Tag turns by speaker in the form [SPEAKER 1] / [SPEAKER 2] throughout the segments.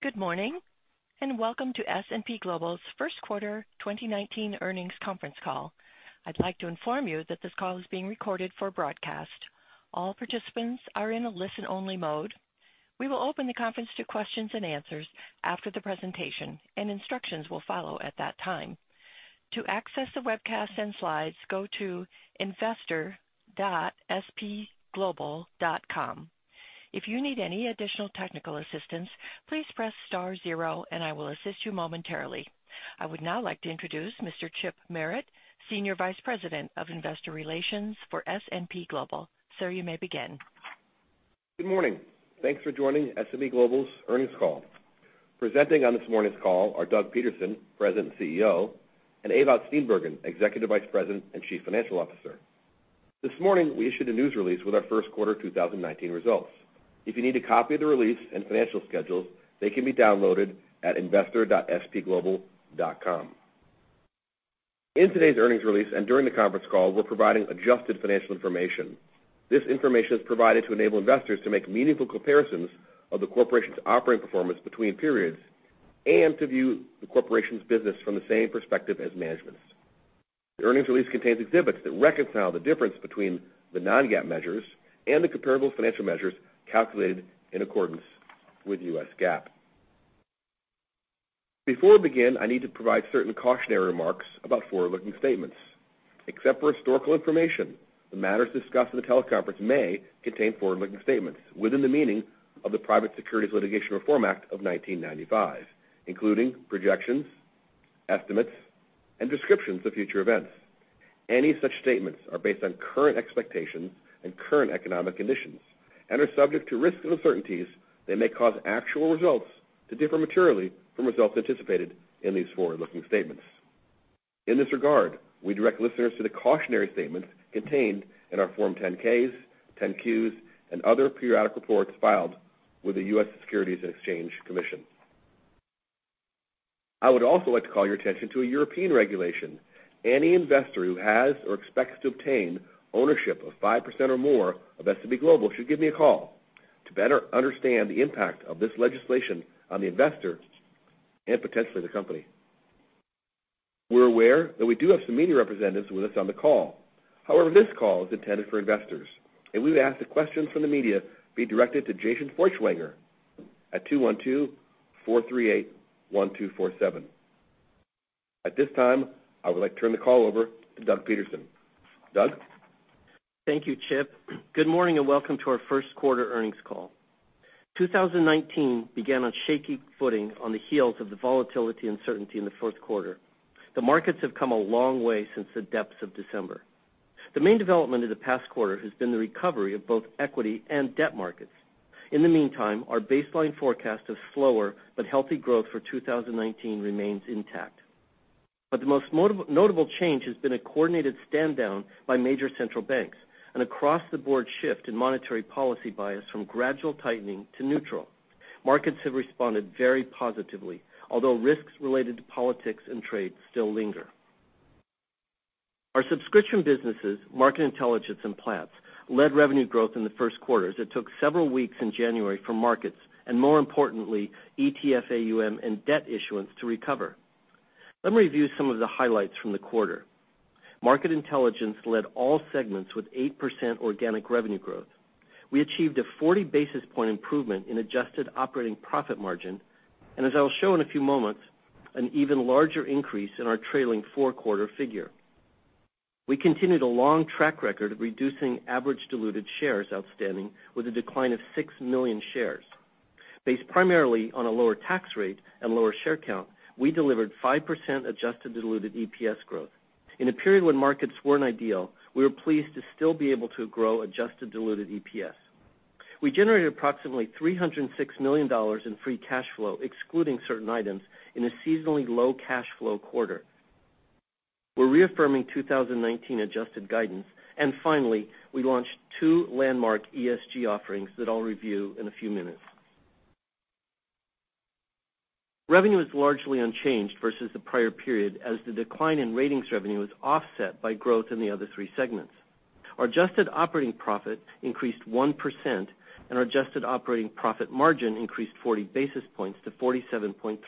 [SPEAKER 1] Good morning. Welcome to S&P Global's first quarter 2019 earnings conference call. I'd like to inform you that this call is being recorded for broadcast. All participants are in a listen-only mode. We will open the conference to questions and answers after the presentation, and instructions will follow at that time. To access the webcast and slides, go to investor.spglobal.com. If you need any additional technical assistance, please press star zero and I will assist you momentarily. I would now like to introduce Mr. Chip Merritt, Senior Vice President of Investor Relations for S&P Global. Sir, you may begin.
[SPEAKER 2] Good morning. Thanks for joining S&P Global's earnings call. Presenting on this morning's call are Doug Peterson, President and CEO, and Ewout Steenbergen, Executive Vice President and Chief Financial Officer. This morning, we issued a news release with our first quarter 2019 results. If you need a copy of the release and financial schedules, they can be downloaded at investor.spglobal.com. In today's earnings release and during the conference call, we're providing adjusted financial information. This information is provided to enable investors to make meaningful comparisons of the corporation's operating performance between periods, and to view the corporation's business from the same perspective as management. The earnings release contains exhibits that reconcile the difference between the non-GAAP measures and the comparable financial measures calculated in accordance with U.S. GAAP. Before we begin, I need to provide certain cautionary remarks about forward-looking statements. Except for historical information, the matters discussed in the teleconference may contain forward-looking statements within the meaning of the Private Securities Litigation Reform Act of 1995, including projections, estimates, and descriptions of future events. Any such statements are based on current expectations and current economic conditions and are subject to risks and uncertainties that may cause actual results to differ materially from results anticipated in these forward-looking statements. In this regard, we direct listeners to the cautionary statements contained in our Form 10-Ks, 10-Qs, and other periodic reports filed with the U.S. Securities and Exchange Commission. I would also like to call your attention to a European regulation. Any investor who has or expects to obtain ownership of 5% or more of S&P Global should give me a call to better understand the impact of this legislation on the investor and potentially the company. We're aware that we do have some media representatives with us on the call. However, this call is intended for investors, and we would ask that questions from the media be directed to Jason Feuchtwanger at 212-438-1247. At this time, I would like to turn the call over to Doug Peterson. Doug?
[SPEAKER 3] Thank you, Chip. Good morning and welcome to our first quarter earnings call. 2019 began on shaky footing on the heels of the volatility and uncertainty in the fourth quarter. The markets have come a long way since the depths of December. The main development of the past quarter has been the recovery of both equity and debt markets. In the meantime, our baseline forecast of slower but healthy growth for 2019 remains intact. The most notable change has been a coordinated standdown by major central banks and across the board shift in monetary policy bias from gradual tightening to neutral. Markets have responded very positively, although risks related to politics and trade still linger. Our subscription businesses, Market Intelligence and Platts, led revenue growth in the first quarter, as it took several weeks in January for markets, and more importantly, ETF AUM and debt issuance to recover. Let me review some of the highlights from the quarter. Market Intelligence led all segments with 8% organic revenue growth. We achieved a 40-basis point improvement in adjusted operating profit margin, and as I'll show in a few moments, an even larger increase in our trailing four-quarter figure. We continued a long track record of reducing average diluted shares outstanding with a decline of 6 million shares. Based primarily on a lower tax rate and lower share count, we delivered 5% adjusted diluted EPS growth. In a period when markets weren't ideal, we were pleased to still be able to grow adjusted diluted EPS. We generated approximately $306 million in free cash flow, excluding certain items, in a seasonally low cash flow quarter. We're reaffirming 2019 adjusted guidance. Finally, we launched two landmark ESG offerings that I'll review in a few minutes. Revenue is largely unchanged versus the prior period as the decline in ratings revenue is offset by growth in the other three segments. Our adjusted operating profit increased 1%, and our adjusted operating profit margin increased 40 basis points to 47.3%.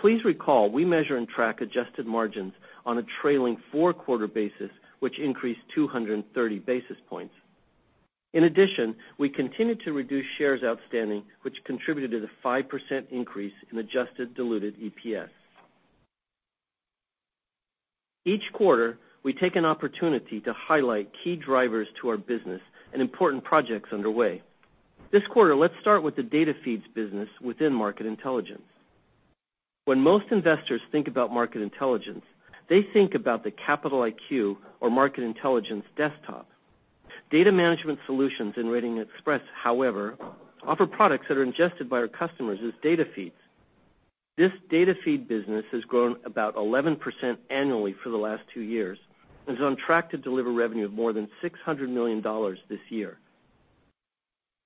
[SPEAKER 3] Please recall, we measure and track adjusted margins on a trailing four-quarter basis, which increased 230 basis points. In addition, we continued to reduce shares outstanding, which contributed to the 5% increase in adjusted diluted EPS. Each quarter, we take an opportunity to highlight key drivers to our business and important projects underway. This quarter, let's start with the data feeds business within Market Intelligence. When most investors think about Market Intelligence, they think about the Capital IQ or Market Intelligence desktop. Data Management Solutions and RatingsXpress, however, offer products that are ingested by our customers as data feeds. This data feed business has grown about 11% annually for the last two years and is on track to deliver revenue of more than $600 million this year.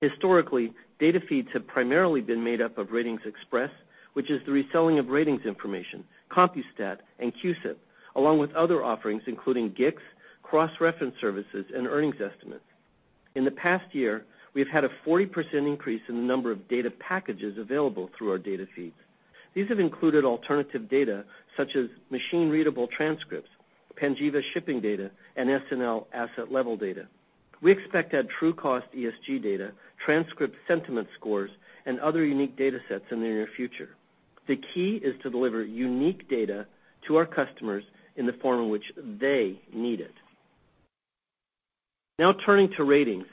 [SPEAKER 3] Historically, data feeds have primarily been made up of RatingsXpress, which is the reselling of ratings information, Compustat and CUSIP, along with other offerings, including GICS cross-reference services and earnings estimates. In the past year, we've had a 40% increase in the number of data packages available through our data feeds. These have included alternative data such as machine-readable transcripts, Panjiva shipping data, and SNL asset-level data. We expect to add Trucost ESG data, transcript sentiment scores, and other unique data sets in the near future. The key is to deliver unique data to our customers in the form in which they need it. Now turning to ratings.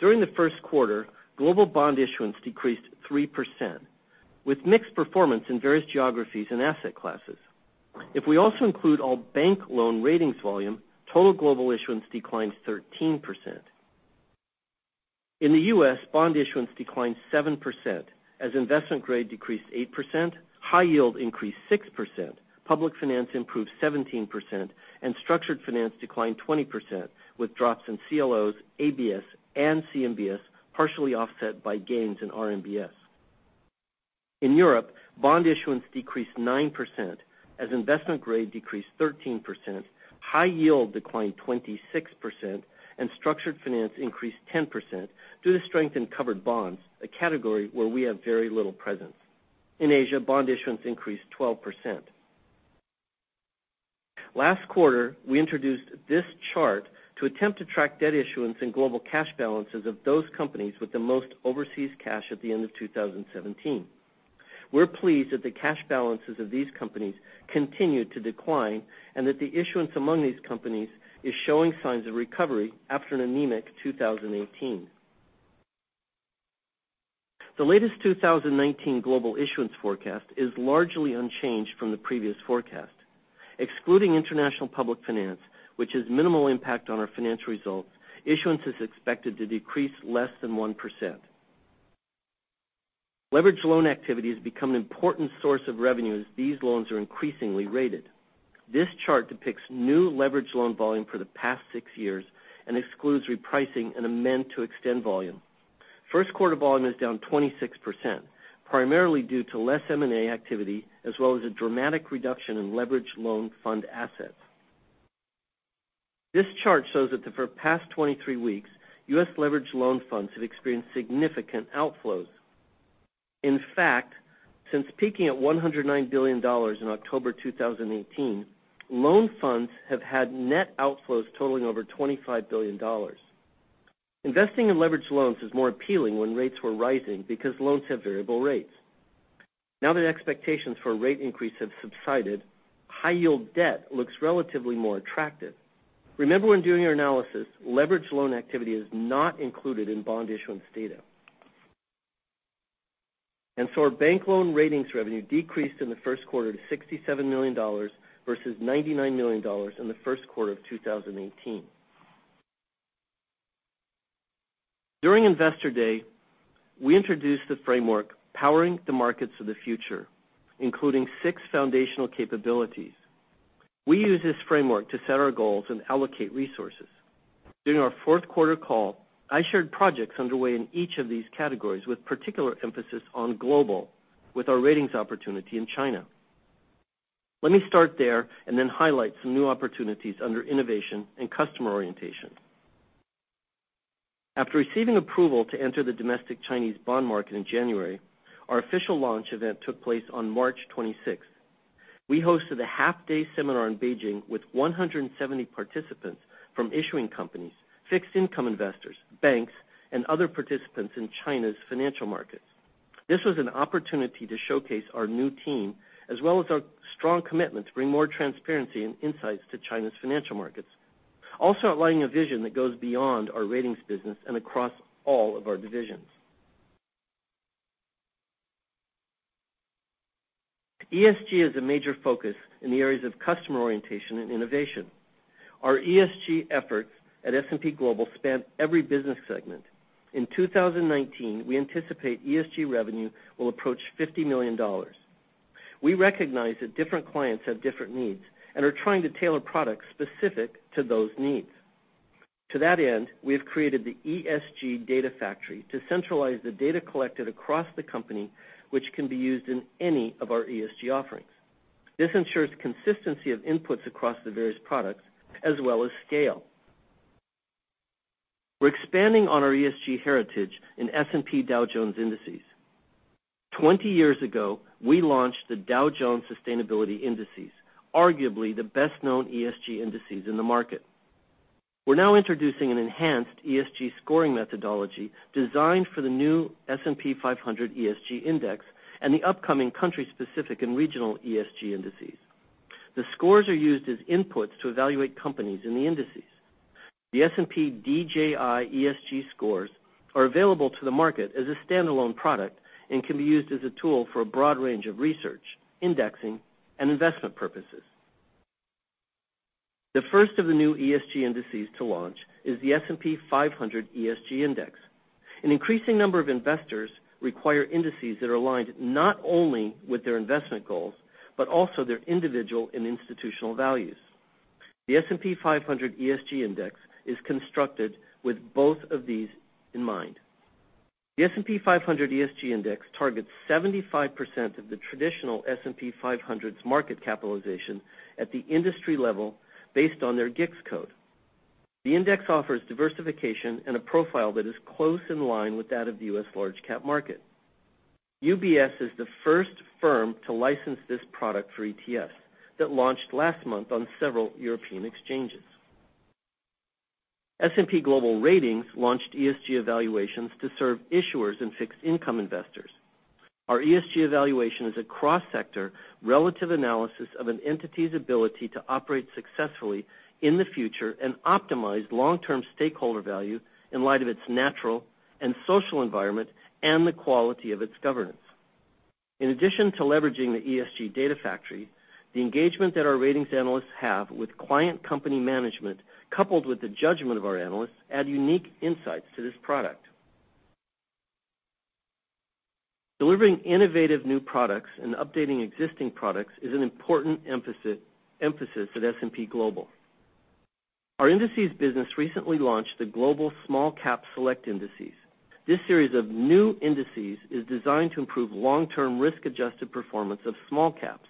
[SPEAKER 3] During the first quarter, global bond issuance decreased 3%, with mixed performance in various geographies and asset classes. If we also include all bank loan ratings volume, total global issuance declines 13%. In the U.S., bond issuance declined 7%, as investment grade decreased 8%, high yield increased 6%, public finance improved 17%, and structured finance declined 20% with drops in CLOs, ABS, and CMBS, partially offset by gains in RMBS. In Europe, bond issuance decreased 9% as investment grade decreased 13%, high yield declined 26%, and structured finance increased 10% due to strength in covered bonds, a category where we have very little presence. In Asia, bond issuance increased 12%. Last quarter, we introduced this chart to attempt to track debt issuance and global cash balances of those companies with the most overseas cash at the end of 2017. We're pleased that the cash balances of these companies continue to decline, and that the issuance among these companies is showing signs of recovery after an anemic 2018. The latest 2019 global issuance forecast is largely unchanged from the previous forecast. Excluding international public finance, which has minimal impact on our financial results, issuance is expected to decrease less than 1%. Leveraged loan activity has become an important source of revenue, as these loans are increasingly rated. This chart depicts new leveraged loan volume for the past 6 years and excludes repricing and amend to extend volume. First quarter volume is down 26%, primarily due to less M&A activity, as well as a dramatic reduction in leveraged loan fund assets. This chart shows that for the past 23 weeks, U.S. leveraged loan funds have experienced significant outflows. In fact, since peaking at $109 billion in October 2018, loan funds have had net outflows totaling over $25 billion. Investing in leveraged loans was more appealing when rates were rising because loans have variable rates. Now that expectations for a rate increase have subsided, high yield debt looks relatively more attractive. Remember, when doing your analysis, leveraged loan activity is not included in bond issuance data. So our bank loan ratings revenue decreased in the first quarter to $67 million versus $99 million in the first quarter of 2018. During Investor Day, we introduced the framework, Powering the Markets of the Future, including six foundational capabilities. We use this framework to set our goals and allocate resources. During our fourth quarter call, I shared projects underway in each of these categories, with particular emphasis on global with our ratings opportunity in China. Let me start there and then highlight some new opportunities under innovation and customer orientation. After receiving approval to enter the domestic Chinese bond market in January, our official launch event took place on March 26th. We hosted a half-day seminar in Beijing with 170 participants from issuing companies, fixed income investors, banks, and other participants in China's financial market. This was an an opportunity to showcase our new team, as well as our strong commitment to bring more transparency and insights to China's financial markets, also outlining a vision that goes beyond our ratings business and across all of our divisions. ESG is a major focus in the areas of customer orientation and innovation. Our ESG efforts at S&P Global span every business segment. In 2019, we anticipate ESG revenue will approach $50 million. We recognize that different clients have different needs and are trying to tailor products specific to those needs. To that end, we have created the ESG Data Factory to centralize the data collected across the company, which can be used in any of our ESG offerings. This ensures consistency of inputs across the various products as well as scale. We're expanding on our ESG heritage in S&P Dow Jones Indices. 20 years ago, we launched the Dow Jones Sustainability Indices, arguably the best-known ESG indices in the market. We're now introducing an enhanced ESG scoring methodology designed for the new S&P 500 ESG Index and the upcoming country-specific and regional ESG indices. The scores are used as inputs to evaluate companies in the indices. The S&P DJI ESG scores are available to the market as a standalone product and can be used as a tool for a broad range of research, indexing, and investment purposes. The first of the new ESG indices to launch is the S&P 500 ESG Index. An increasing number of investors require indices that are aligned not only with their investment goals but also their individual and institutional values. The S&P 500 ESG Index is constructed with both of these in mind. The S&P 500 ESG Index targets 75% of the traditional S&P 500's market capitalization at the industry level based on their GICS code. The index offers diversification and a profile that is close in line with that of the U.S. large cap market. UBS is the first firm to license this product for ETFs that launched last month on several European exchanges. S&P Global Ratings launched ESG Evaluations to serve issuers and fixed income investors. Our ESG Evaluation is a cross-sector relative analysis of an entity's ability to operate successfully in the future and optimize long-term stakeholder value in light of its natural and social environment and the quality of its governance. In addition to leveraging the ESG Data Factory, the engagement that our ratings analysts have with client company management, coupled with the judgment of our analysts, add unique insights to this product. Delivering innovative new products and updating existing products is an important emphasis at S&P Global. Our indices business recently launched the Global SmallCap Select Indices. This series of new indices is designed to improve long-term risk-adjusted performance of small caps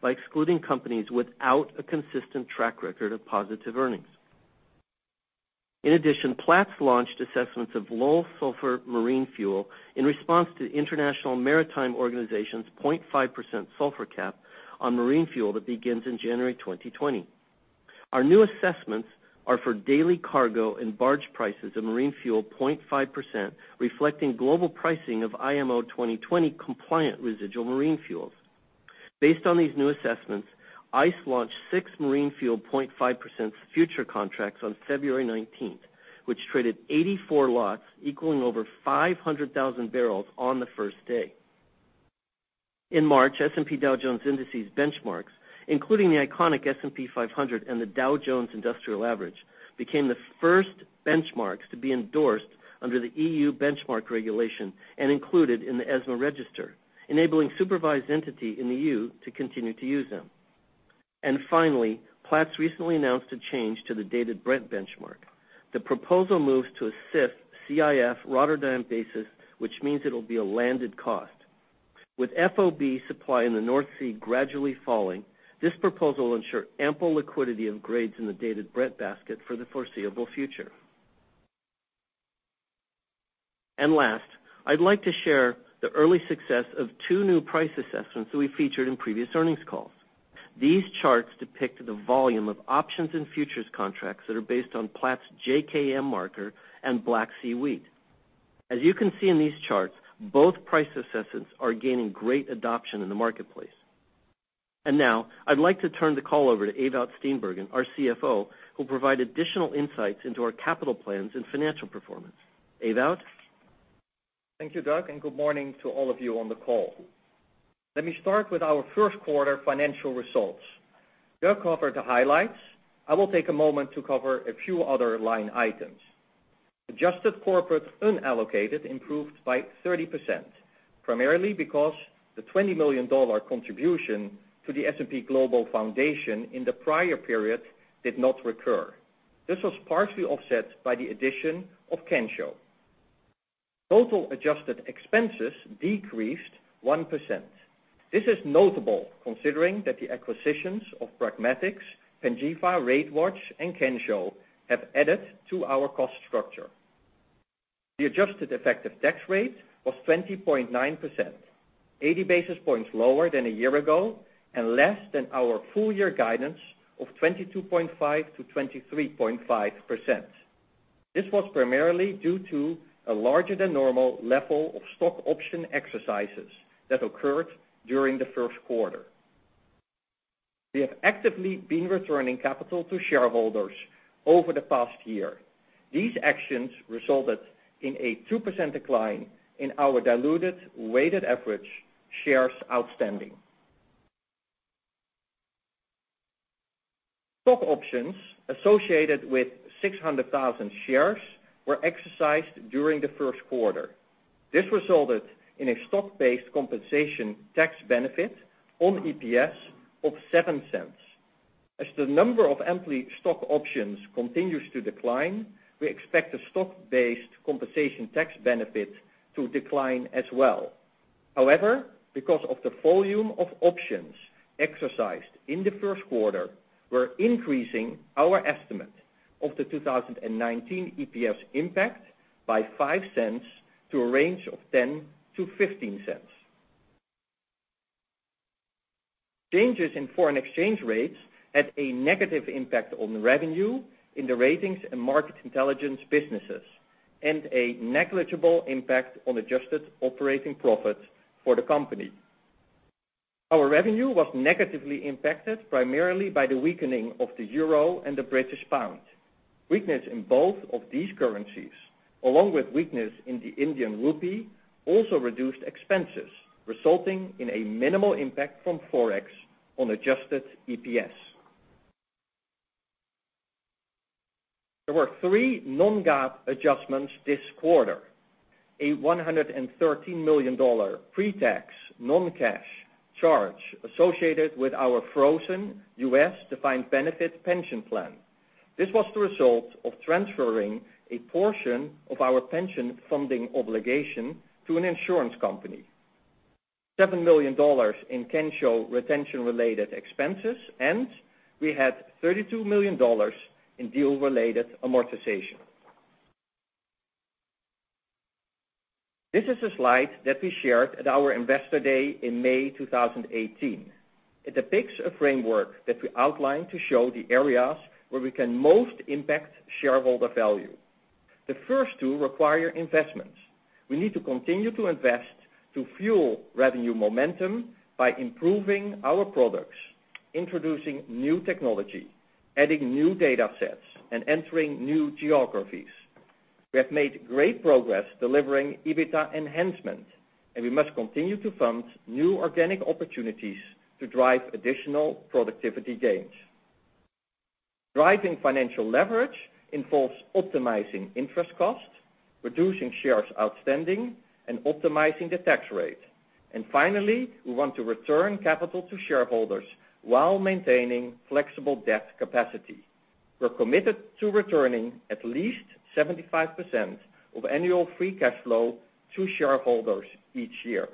[SPEAKER 3] by excluding companies without a consistent track record of positive earnings. Platts launched assessments of low sulfur marine fuel in response to the International Maritime Organization's 0.5% sulfur cap on marine fuel that begins in January 2020. Our new assessments are for daily cargo and barge prices of marine fuel 0.5%, reflecting global pricing of IMO 2020 compliant residual marine fuels. Based on these new assessments, ICE launched six marine fuel 0.5% future contracts on February 19th, which traded 84 lots equaling over 500,000 barrels on the first day. In March, S&P Dow Jones Indices benchmarks, including the iconic S&P 500 and the Dow Jones Industrial Average, became the first benchmarks to be endorsed under the EU Benchmark Regulation and included in the ESMA register, enabling supervised entity in the EU to continue to use them. Finally, Platts recently announced a change to the Dated Brent benchmark. The proposal moves to a CIF Rotterdam basis, which means it will be a landed cost. With FOB supply in the North Sea gradually falling, this proposal ensures ample liquidity of grades in the Dated Brent basket for the foreseeable future. Last, I would like to share the early success of two new price assessments that we featured in previous earnings calls. These charts depict the volume of options and futures contracts that are based on Platts JKM marker and Platts Black Sea Wheat. As you can see in these charts, both price assessments are gaining great adoption in the marketplace. Now I would like to turn the call over to Ewout Steenbergen, our CFO, who will provide additional insights into our capital plans and financial performance. Ewout?
[SPEAKER 4] Thank you, Doug, and good morning to all of you on the call. Let me start with our first quarter financial results. Doug covered the highlights. I will take a moment to cover a few other line items. Adjusted corporate unallocated improved by 30%, primarily because the $20 million contribution to the S&P Global Foundation in the prior period did not recur. This was partially offset by the addition of Kensho. Total adjusted expenses decreased 1%. This is notable considering that the acquisitions of Pragmatics, Pangaea, RateWatch, and Kensho have added to our cost structure. The adjusted effective tax rate was 20.9%, 80 basis points lower than a year ago and less than our full year guidance of 22.5%-23.5%. This was primarily due to a larger than normal level of stock option exercises that occurred during the first quarter. We have actively been returning capital to shareholders over the past year. These actions resulted in a 2% decline in our diluted weighted average shares outstanding. Stock options associated with 600,000 shares were exercised during the first quarter. This resulted in a stock-based compensation tax benefit on EPS of $0.07. As the number of employee stock options continues to decline, we expect the stock-based compensation tax benefit to decline as well. However, because of the volume of options exercised in the first quarter, we are increasing our estimate of the 2019 EPS impact by $0.05 to a range of $0.10-$0.15. Changes in foreign exchange rates had a negative impact on revenue in the Ratings and Market Intelligence businesses and a negligible impact on adjusted operating profit for the company. Our revenue was negatively impacted primarily by the weakening of the euro and the British pound. Weakness in both of these currencies, along with weakness in the Indian rupee, also reduced expenses, resulting in a minimal impact from Forex on adjusted EPS. There were three non-GAAP adjustments this quarter. A $113 million pre-tax non-cash charge associated with our frozen U.S. defined benefit pension plan. This was the result of transferring a portion of our pension funding obligation to an insurance company, $7 million in Kensho retention-related expenses, and we had $32 million in deal-related amortization. This is a slide that we shared at our Investor Day in May 2018. It depicts a framework that we outlined to show the areas where we can most impact shareholder value. The first two require investments. We need to continue to invest to fuel revenue momentum by improving our products, introducing new technology, adding new data sets, and entering new geographies. We have made great progress delivering EBITDA enhancement. We must continue to fund new organic opportunities to drive additional productivity gains. Driving financial leverage involves optimizing interest costs, reducing shares outstanding, and optimizing the tax rate. Finally, we want to return capital to shareholders while maintaining flexible debt capacity. We are committed to returning at least 75% of annual free cash flow to shareholders each year.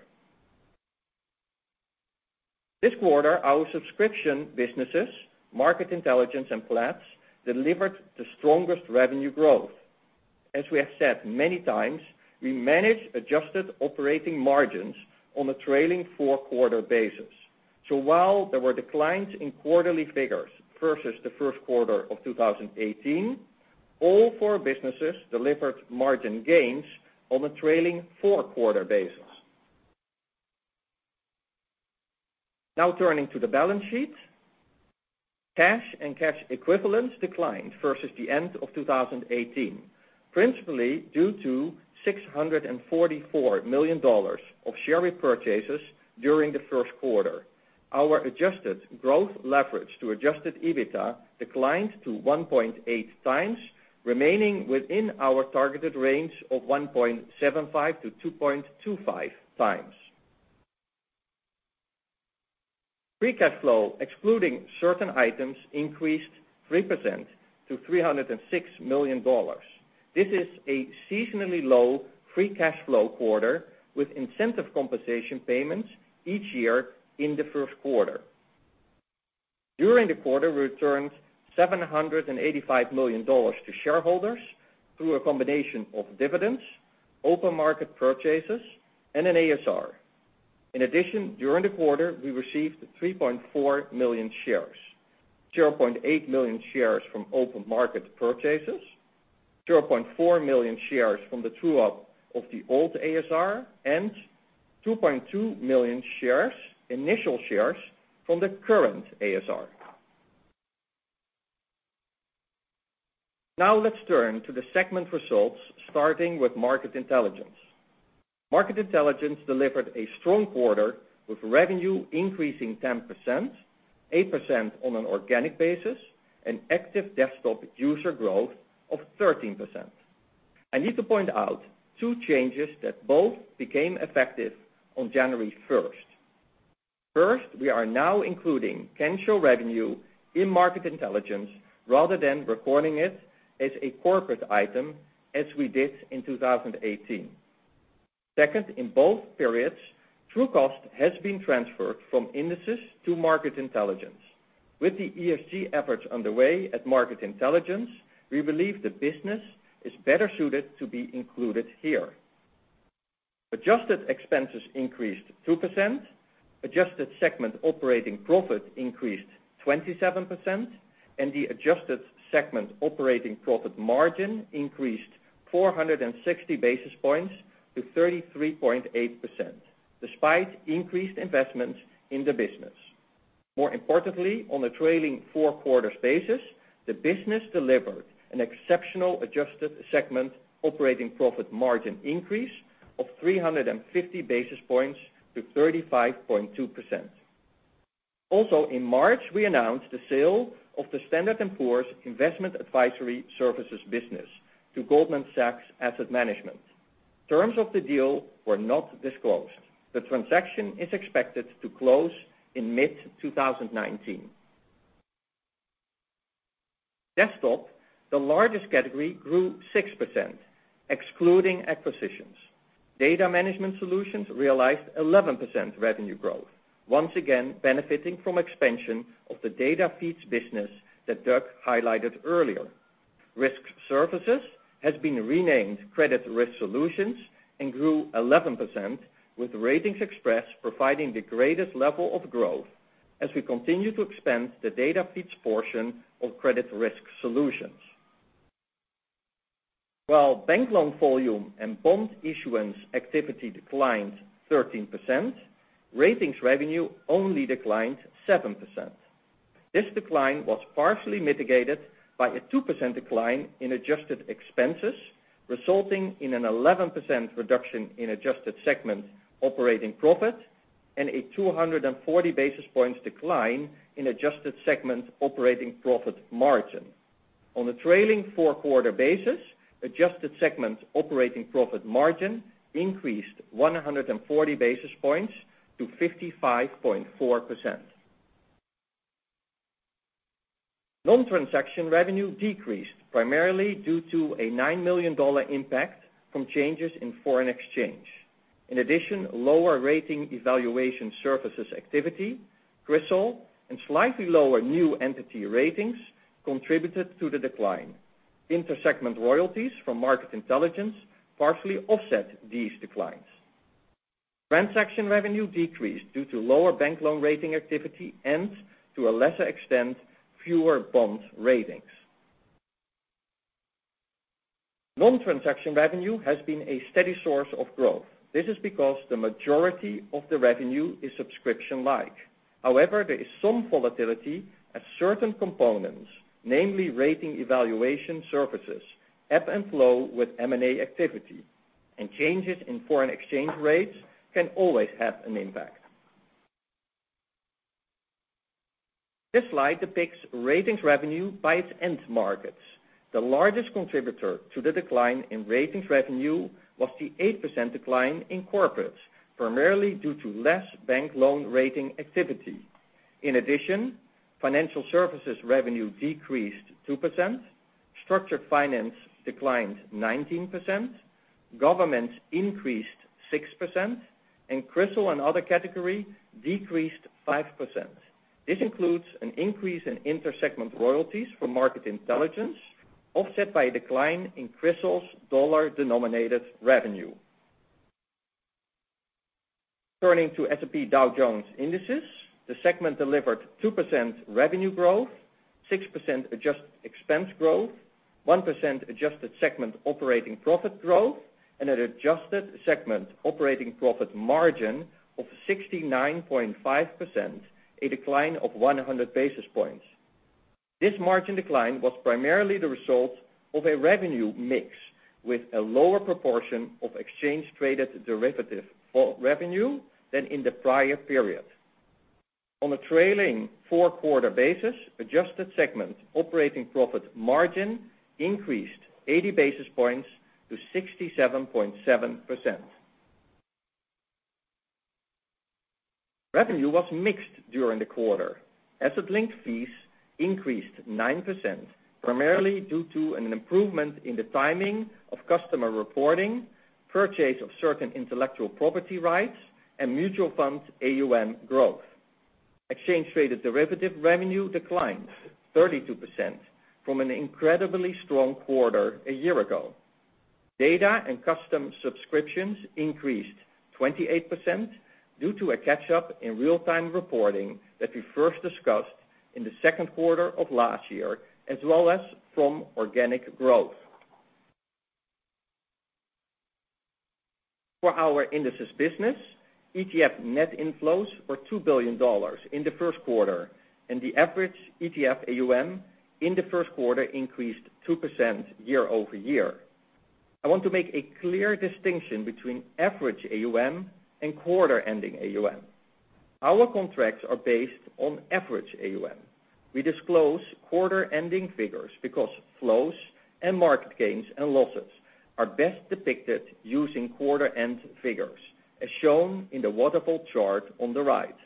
[SPEAKER 4] This quarter, our subscription businesses, Market Intelligence and Platts, delivered the strongest revenue growth. As we have said many times, we manage adjusted operating margins on a trailing four-quarter basis. While there were declines in quarterly figures versus the first quarter of 2018, all four businesses delivered margin gains on a trailing four-quarter basis. Now turning to the balance sheet. Cash and cash equivalents declined versus the end of 2018, principally due to $644 million of share repurchases during the first quarter. Our adjusted gross leverage to adjusted EBITDA declined to 1.8 times, remaining within our targeted range of 1.75 to 2.25 times. Free cash flow, excluding certain items, increased 3% to $306 million. This is a seasonally low free cash flow quarter with incentive compensation payments each year in the first quarter. During the quarter, we returned $785 million to shareholders through a combination of dividends, open market purchases, and an ASR. In addition, during the quarter, we received 3.4 million shares, 0.8 million shares from open market purchases, 0.4 million shares from the true-up of the old ASR, and 2.2 million initial shares from the current ASR. Now let's turn to the segment results, starting with Market Intelligence. Market Intelligence delivered a strong quarter with revenue increasing 10%, 8% on an organic basis, and active desktop user growth of 13%. I need to point out two changes that both became effective on January 1st. First, we are now including Kensho revenue in Market Intelligence rather than recording it as a corporate item as we did in 2018. Second, in both periods, Trucost has been transferred from Indices to Market Intelligence. With the ESG efforts underway at Market Intelligence, we believe the business is better suited to be included here. Adjusted expenses increased 2%, adjusted segment operating profit increased 27%, and the adjusted segment operating profit margin increased 460 basis points to 33.8%, despite increased investments in the business. More importantly, on a trailing four-quarters basis, the business delivered an exceptional adjusted segment operating profit margin increase of 350 basis points to 35.2%. Also, in March, we announced the sale of the Standard & Poor's Investment Advisory Services business to Goldman Sachs Asset Management. Terms of the deal were not disclosed. The transaction is expected to close in mid-2019. Desktop, the largest category, grew 6%, excluding acquisitions. Data Management Solutions realized 11% revenue growth, once again, benefiting from expansion of the data feeds business that Doug highlighted earlier. Risk Services has been renamed Credit Risk Solutions and grew 11% with RatingsXpress providing the greatest level of growth as we continue to expand the data feeds portion of Credit Risk Solutions. While bank loan volume and bond issuance activity declined 13%, ratings revenue only declined 7%. This decline was partially mitigated by a 2% decline in adjusted expenses, resulting in an 11% reduction in adjusted segment operating profit and a 240 basis points decline in adjusted segment operating profit margin. On a trailing four-quarter basis, adjusted segment operating profit margin increased 140 basis points to 55.4%. Non-transaction revenue decreased primarily due to a $9 million impact from changes in foreign exchange. In addition, lower rating evaluation services activity, CRISIL, and slightly lower new entity ratings contributed to the decline. Inter-segment royalties from Market Intelligence partially offset these declines. Transaction revenue decreased due to lower bank loan rating activity and to a lesser extent, fewer bond ratings. Non-transaction revenue has been a steady source of growth. This is because the majority of the revenue is subscription-like. However, there is some volatility as certain components, namely rating evaluation services, ebb and flow with M&A activity, and changes in foreign exchange rates can always have an impact. This slide depicts ratings revenue by its end markets. The largest contributor to the decline in ratings revenue was the 8% decline in corporate, primarily due to less bank loan rating activity. In addition, financial services revenue decreased 2%, structured finance declined 19%, government increased 6%, and CRISIL and other category decreased 5%. This includes an increase in inter-segment royalties for market intelligence, offset by a decline in CRISIL's dollar-denominated revenue. Turning to S&P Dow Jones Indices, the segment delivered 2% revenue growth, 6% adjusted expense growth, 1% adjusted segment operating profit growth, and an adjusted segment operating profit margin of 69.5%, a decline of 100 basis points. This margin decline was primarily the result of a revenue mix with a lower proportion of exchange-traded derivative revenue than in the prior period. On a trailing four-quarter basis, adjusted segment operating profit margin increased 80 basis points to 67.7%. Revenue was mixed during the quarter. Asset-linked fees increased 9%, primarily due to an improvement in the timing of customer reporting, purchase of certain intellectual property rights, and mutual funds AUM growth. Exchange-traded derivative revenue declined 32% from an incredibly strong quarter a year ago. Data and custom subscriptions increased 28% due to a catch-up in real-time reporting that we first discussed in the second quarter of last year, as well as from organic growth. For our indices business, ETF net inflows were $2 billion in the first quarter, and the average ETF AUM in the first quarter increased 2% year-over-year. I want to make a clear distinction between average AUM and quarter-ending AUM. Our contracts are based on average AUM. We disclose quarter-ending figures because flows and market gains and losses are best depicted using quarter-end figures, as shown in the waterfall chart on the right.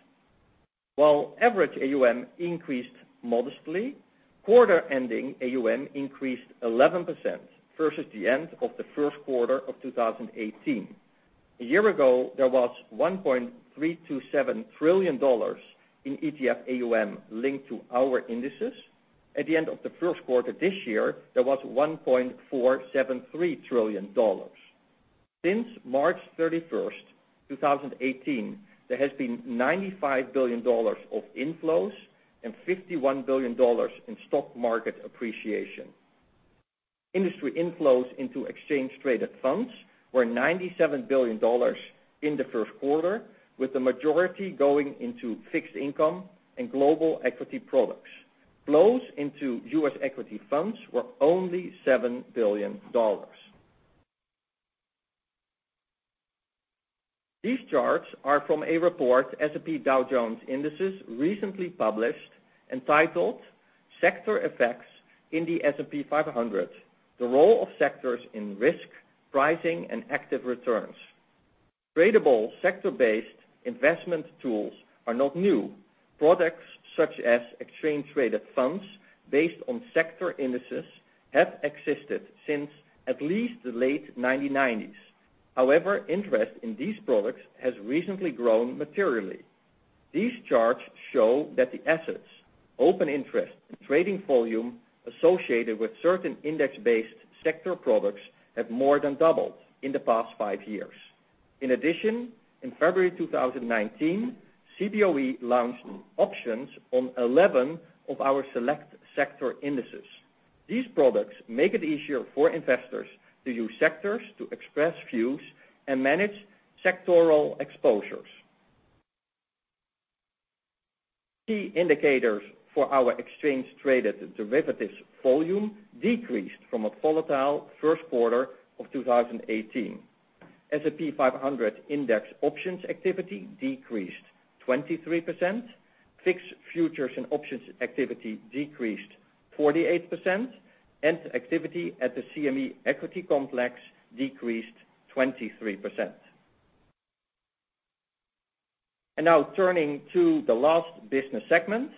[SPEAKER 4] While average AUM increased modestly, quarter-ending AUM increased 11% versus the end of the first quarter of 2018. A year ago, there was $1.327 trillion in ETF AUM linked to our indices. At the end of the first quarter this year, there was $1.473 trillion. Since March 31st, 2018, there has been $95 billion of inflows and $51 billion in stock market appreciation. Industry inflows into exchange-traded funds were $97 billion in the first quarter, with the majority going into fixed income and global equity products. Flows into U.S. equity funds were only $7 billion. These charts are from a report S&P Dow Jones Indices recently published entitled Sector Effects in the S&P 500: The Role of Sectors in Risk, Pricing, and Active Returns. Tradable sector-based investment tools are not new. Products such as exchange-traded funds based on sector indices have existed since at least the late 1990s. However, interest in these products has recently grown materially. These charts show that the assets, open interest, and trading volume associated with certain index-based sector products have more than doubled in the past five years. In addition, in February 2019, CBOE launched options on 11 of our select sector indices. These products make it easier for investors to use sectors to express views and manage sectoral exposures. Key indicators for our exchange-traded derivatives volume decreased from a volatile first quarter of 2018. S&P 500 index options activity decreased 23%, fixed futures and options activity decreased 48%, and activity at the CME equity complex decreased 23%. Now turning to the last business segment.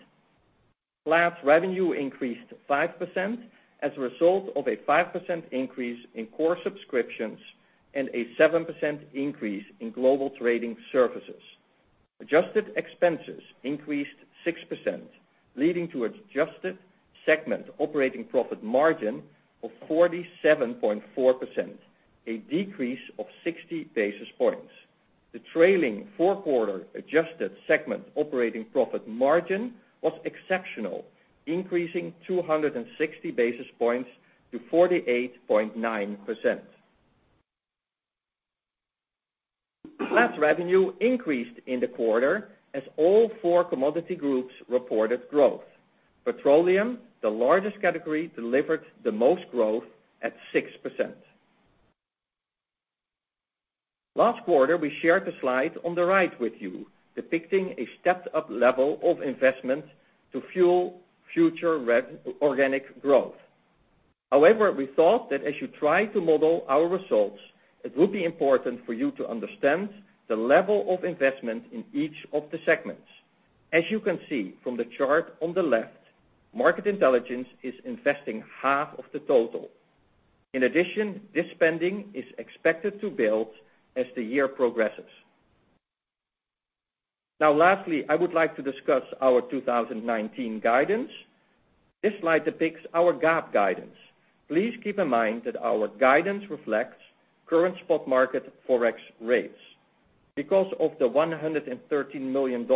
[SPEAKER 4] Platts revenue increased 5% as a result of a 5% increase in core subscriptions and a 7% increase in global trading services. Adjusted expenses increased 6%, leading to adjusted segment operating profit margin of 47.4%, a decrease of 60 basis points. The trailing four-quarter adjusted segment operating profit margin was exceptional, increasing 260 basis points to 48.9%. Platts revenue increased in the quarter as all four commodity groups reported growth. Petroleum, the largest category, delivered the most growth at 6%. Last quarter, we shared the slide on the right with you, depicting a stepped-up level of investment to fuel future organic growth. However, we thought that as you try to model our results, it would be important for you to understand the level of investment in each of the segments. As you can see from the chart on the left, Market Intelligence is investing half of the total. In addition, this spending is expected to build as the year progresses. Lastly, I would like to discuss our 2019 guidance. This slide depicts our GAAP guidance. Please keep in mind that our guidance reflects current spot market Forex rates. Because of the $113 million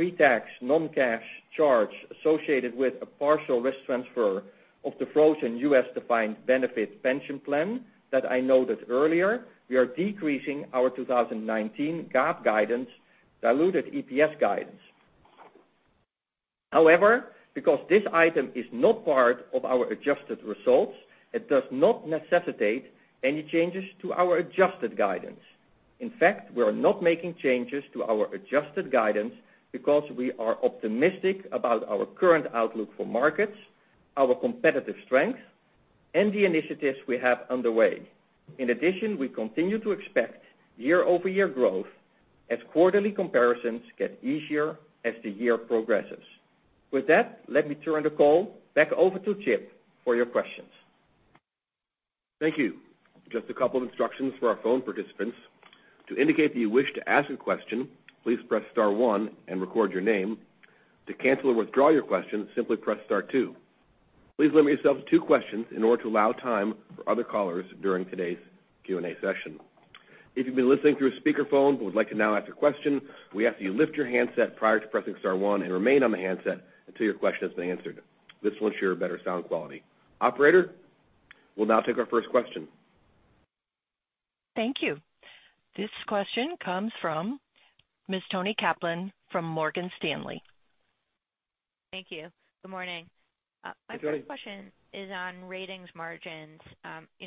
[SPEAKER 4] pre-tax non-cash charge associated with a partial risk transfer of the frozen U.S.-defined benefit pension plan that I noted earlier, we are decreasing our 2019 GAAP guidance diluted EPS guidance. However, because this item is not part of our adjusted results, it does not necessitate any changes to our adjusted guidance. In fact, we are not making changes to our adjusted guidance because we are optimistic about our current outlook for markets, our competitive strength, and the initiatives we have underway. In addition, we continue to expect year-over-year growth as quarterly comparisons get easier as the year progresses. With that, let me turn the call back over to Chip for your questions.
[SPEAKER 2] Thank you. Just a couple of instructions for our phone participants. To indicate that you wish to ask a question, please press star one and record your name. To cancel or withdraw your question, simply press star two. Please limit yourself to two questions in order to allow time for other callers during today's Q&A session. If you've been listening through speakerphone but would like to now ask a question, we ask that you lift your handset prior to pressing star one and remain on the handset until your question has been answered. This will ensure better sound quality. Operator, we'll now take our first question.
[SPEAKER 1] Thank you. This question comes from Ms. Toni Kaplan from Morgan Stanley.
[SPEAKER 5] Thank you. Good morning.
[SPEAKER 4] Good morning.
[SPEAKER 5] My first question is on Ratings margins.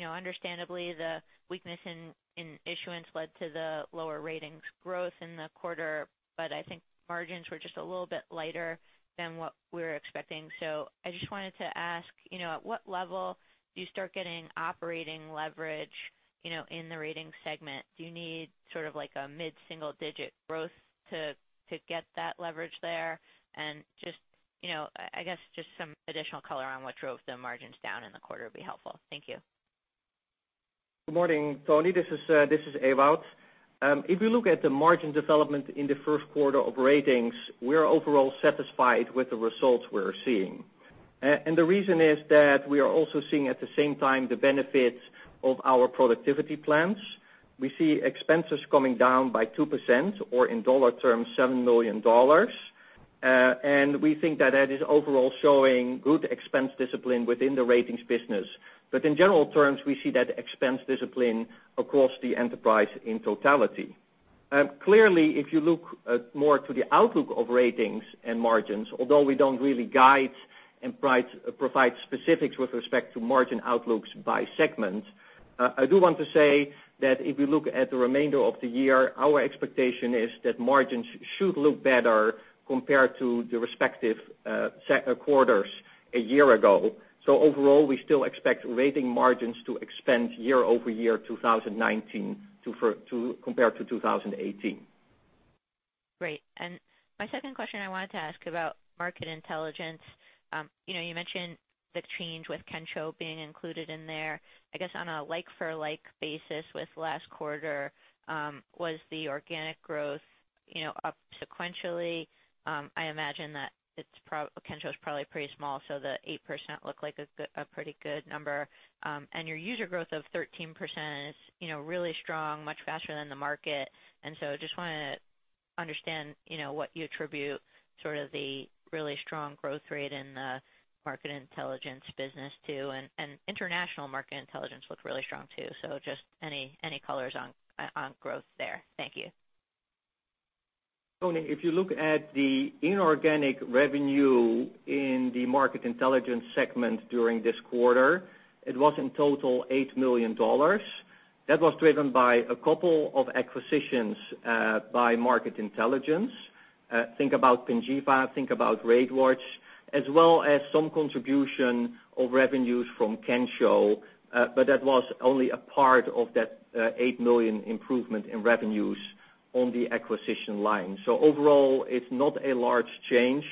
[SPEAKER 5] Understandably, the weakness in issuance led to the lower Ratings growth in the quarter, I think margins were just a little bit lighter than what we were expecting. I just wanted to ask, at what level do you start getting operating leverage in the Ratings segment? Do you need a mid-single-digit growth to get that leverage there? I guess just some additional color on what drove the margins down in the quarter would be helpful. Thank you.
[SPEAKER 4] Good morning, Toni. This is Ewout. If you look at the margin development in the first quarter of Ratings, we are overall satisfied with the results we're seeing. The reason is that we are also seeing at the same time the benefits of our productivity plans. We see expenses coming down by 2% or in dollar terms, $7 million. We think that that is overall showing good expense discipline within the Ratings business. In general terms, we see that expense discipline across the enterprise in totality. Clearly, if you look more to the outlook of Ratings and margins, although we don't really guide and provide specifics with respect to margin outlooks by segment, I do want to say that if you look at the remainder of the year, our expectation is that margins should look better compared to the respective quarters a year ago. Overall, we still expect Ratings margins to expand year-over-year 2019 compared to 2018.
[SPEAKER 5] Great. My second question, I wanted to ask about Market Intelligence. You mentioned the change with Kensho being included in there. I guess on a like-for-like basis with last quarter, was the organic growth up sequentially? I imagine that Kensho's probably pretty small, so the 8% looked like a pretty good number. Your user growth of 13% is really strong, much faster than the market. Just want to understand what you attribute sort of the really strong growth rate in the Market Intelligence business to. International Market Intelligence looked really strong, too. Just any colors on growth there? Thank you.
[SPEAKER 4] Toni, if you look at the inorganic revenue in the Market Intelligence segment during this quarter, it was in total $8 million. That was driven by a couple of acquisitions by Market Intelligence. Think about Panjiva, think about RateWatch, as well as some contribution of revenues from Kensho, but that was only a part of that $8 million improvement in revenues on the acquisition line. Overall, it's not a large change.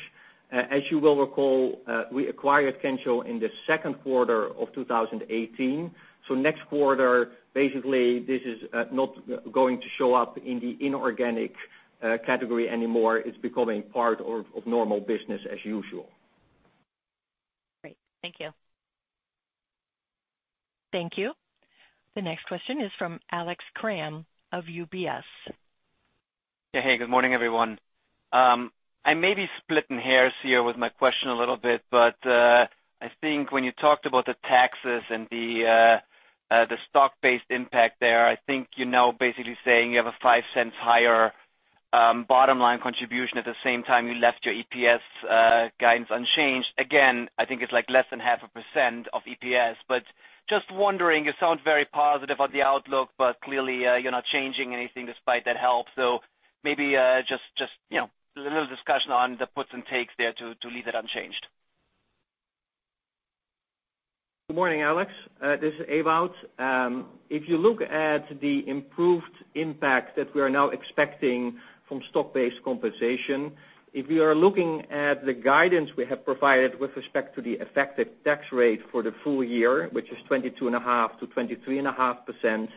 [SPEAKER 4] As you will recall, we acquired Kensho in the second quarter of 2018. Next quarter, basically, this is not going to show up in the inorganic category anymore. It's becoming part of normal business as usual.
[SPEAKER 5] Great. Thank you.
[SPEAKER 1] Thank you. The next question is from Alex Kramm of UBS.
[SPEAKER 6] Hey, good morning, everyone. I may be splitting hairs here with my question a little bit, but I think when you talked about the taxes and the stock-based impact there, I think you're now basically saying you have a $0.05 higher bottom line contribution. At the same time, you left your EPS guidance unchanged. Again, I think it's less than 0.5% of EPS. Just wondering, you sound very positive on the outlook, but clearly, you're not changing anything despite that help. Maybe just a little discussion on the puts and takes there to leave that unchanged.
[SPEAKER 4] Good morning, Alex. This is Ewout. If you look at the improved impact that we are now expecting from stock-based compensation, if you are looking at the guidance we have provided with respect to the effective tax rate for the full year, which is 22.5%-23.5%,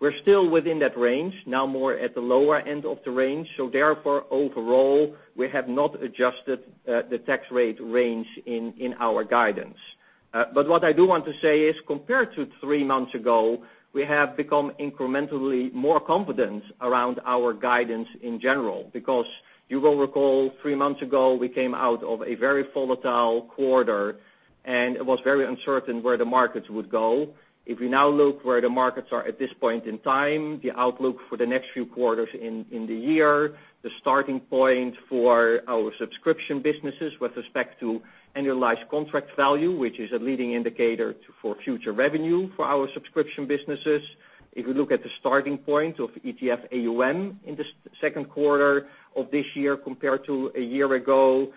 [SPEAKER 4] we're still within that range, now more at the lower end of the range. Therefore, overall, we have not adjusted the tax rate range in our guidance. What I do want to say is compared to three months ago, we have become incrementally more confident around our guidance in general, because you will recall three months ago, we came out of a very volatile quarter, and it was very uncertain where the markets would go. If we now look where the markets are at this point in time, the outlook for the next few quarters in the year, the starting point for our subscription businesses with respect to annualized contract value, which is a leading indicator for future revenue for our subscription businesses. If you look at the starting point of ETF AUM in the second quarter of this year compared to a year ago,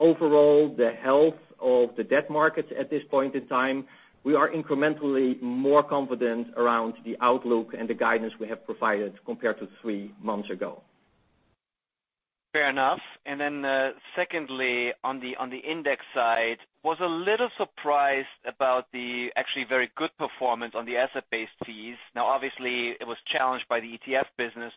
[SPEAKER 4] overall, the health of the debt markets at this point in time, we are incrementally more confident around the outlook and the guidance we have provided compared to three months ago.
[SPEAKER 6] Fair enough. Secondly, on the index side, was a little surprised about the actually very good performance on the asset-based fees. Now, obviously, it was challenged by the ETF business,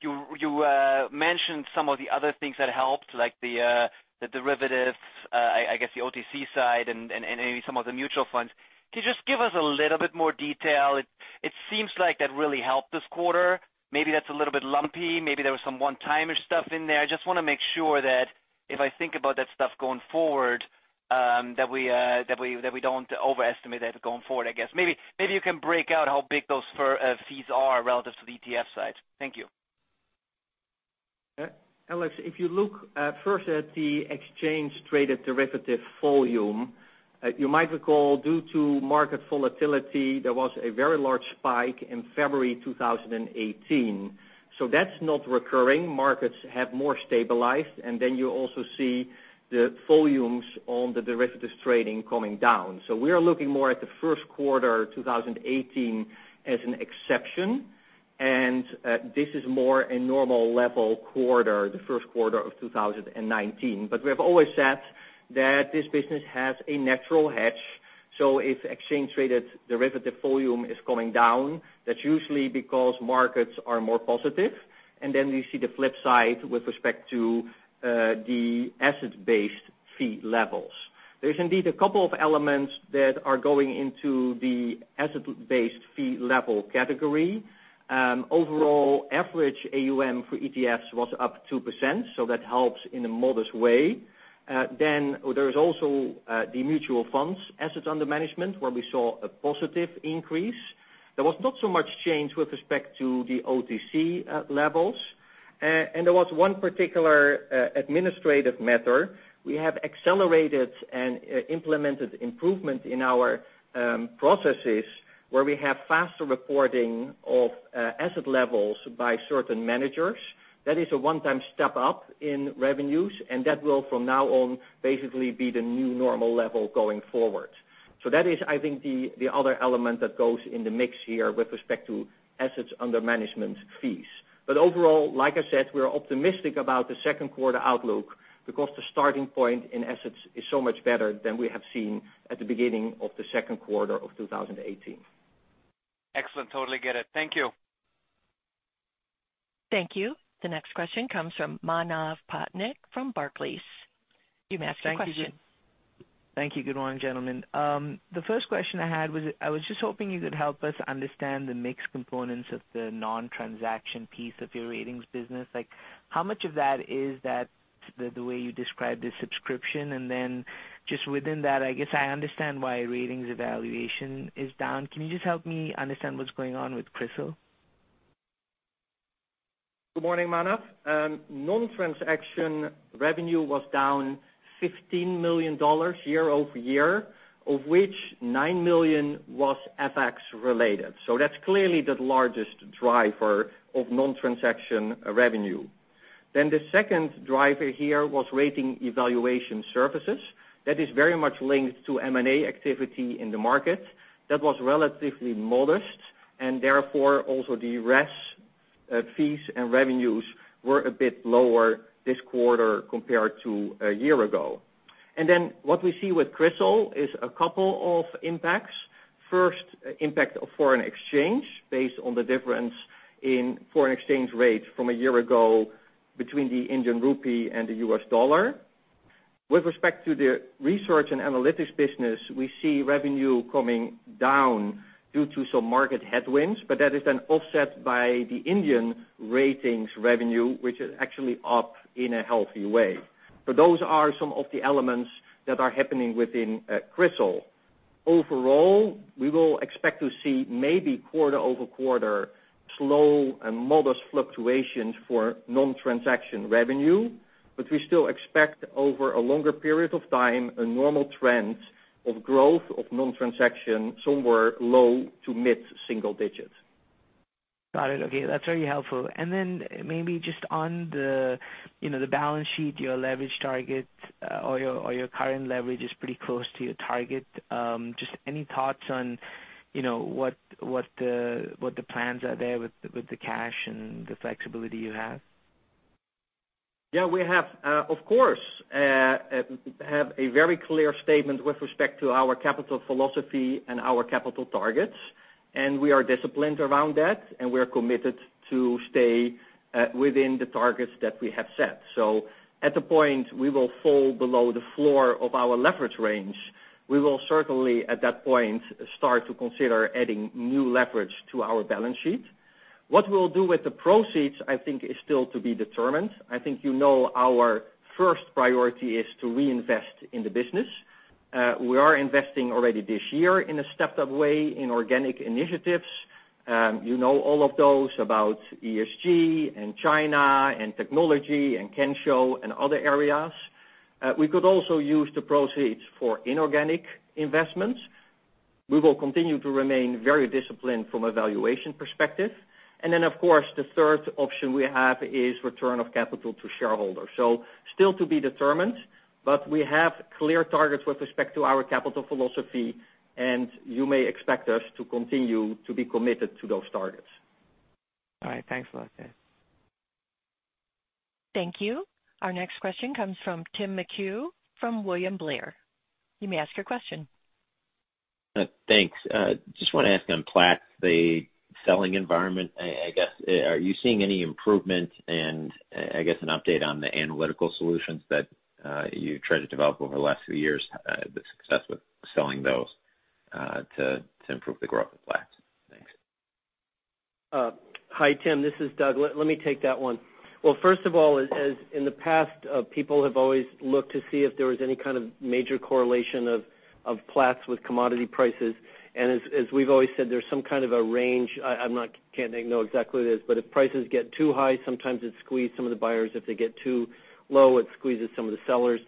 [SPEAKER 6] you mentioned some of the other things that helped, like the derivatives, I guess, the OTC side and maybe some of the mutual funds. Can you just give us a little bit more detail? It seems like that really helped this quarter. Maybe that's a little bit lumpy. Maybe there was some one-timer stuff in there. I just want to make sure that if I think about that stuff going forward, that we don't overestimate that going forward, I guess. Maybe you can break out how big those fees are relative to the ETF side. Thank you.
[SPEAKER 4] Alex, if you look first at the exchange-traded derivative volume, you might recall due to market volatility, there was a very large spike in February 2018. That's not recurring. Markets have more stabilized, you also see the volumes on the derivatives trading coming down. We are looking more at the first quarter 2018 as an exception, this is more a normal level quarter, the first quarter of 2019. We have always said that this business has a natural hedge. If exchange-traded derivative volume is coming down, that's usually because markets are more positive. We see the flip side with respect to the asset-based fee levels. There's indeed a couple of elements that are going into the asset-based fee level category. Overall, average AUM for ETFs was up 2%, that helps in a modest way. There is also the mutual funds assets under management, where we saw a positive increase. There was not so much change with respect to the OTC levels. There was one particular administrative matter. We have accelerated and implemented improvement in our processes where we have faster reporting of asset levels by certain managers. That is a one-time step up in revenues, that will from now on basically be the new normal level going forward. That is, I think, the other element that goes in the mix here with respect to assets under management fees. Overall, like I said, we're optimistic about the second quarter outlook because the starting point in assets is so much better than we have seen at the beginning of the second quarter of 2018.
[SPEAKER 6] Excellent. Totally get it. Thank you.
[SPEAKER 1] Thank you. The next question comes from Manav Patnaik from Barclays. You may ask your question.
[SPEAKER 7] Thank you. Good morning, gentlemen. The first question I had was, I was just hoping you could help us understand the mix components of the non-transaction piece of your ratings business. How much of that is that the way you describe the subscription? Within that, I guess I understand why Ratings Evaluation is down. Can you just help me understand what's going on with CRISIL?
[SPEAKER 4] Good morning, Manav. Non-transaction revenue was down $15 million year-over-year, of which $9 million was FX related. That's clearly the largest driver of non-transaction revenue. The second driver here was Ratings Evaluation services. That is very much linked to M&A activity in the market. That was relatively modest, and therefore, also the RES fees and revenues were a bit lower this quarter compared to a year ago. What we see with CRISIL is a couple of impacts. First, impact of foreign exchange based on the difference in foreign exchange rates from a year ago between the Indian rupee and the U.S. dollar. With respect to the research and analytics business, we see revenue coming down due to some market headwinds, that is then offset by the Indian ratings revenue, which is actually up in a healthy way. Those are some of the elements that are happening within CRISIL. Overall, we will expect to see maybe quarter-over-quarter slow and modest fluctuations for non-transaction revenue, but we still expect over a longer period of time, a normal trend of growth of non-transaction, somewhere low to mid-single digits.
[SPEAKER 7] Got it. Okay. That's very helpful. Maybe just on the balance sheet, your leverage target or your current leverage is pretty close to your target. Just any thoughts on what the plans are there with the cash and the flexibility you have?
[SPEAKER 4] We, of course, have a very clear statement with respect to our capital philosophy and our capital targets, we are disciplined around that, we're committed to stay within the targets that we have set. At the point we will fall below the floor of our leverage range, we will certainly at that point, start to consider adding new leverage to our balance sheet. What we'll do with the proceeds, I think, is still to be determined. I think you know our first priority is to reinvest in the business. We are investing already this year in a stepped-up way in organic initiatives. You know all of those about ESG and China and technology and Kensho and other areas. We could also use the proceeds for inorganic investments. We will continue to remain very disciplined from a valuation perspective. Of course, the third option we have is return of capital to shareholders. Still to be determined, we have clear targets with respect to our capital philosophy, you may expect us to continue to be committed to those targets.
[SPEAKER 7] All right. Thanks a lot.
[SPEAKER 1] Thank you. Our next question comes from Tim McHugh from William Blair. You may ask your question.
[SPEAKER 8] Thanks. Just want to ask on Platts, the selling environment, I guess. Are you seeing any improvement and, I guess, an update on the analytical solutions that you tried to develop over the last few years, the success with selling those to improve the growth of Platts? Thanks.
[SPEAKER 3] Hi, Tim. This is Doug. Let me take that one. Well, first of all, as in the past, people have always looked to see if there was any kind of major correlation of Platts with commodity prices. As we've always said, there's some kind of a range. I can't know exactly what it is, but if prices get too high, sometimes it squeeze some of the buyers. If they get too low, it squeezes some of the sellers.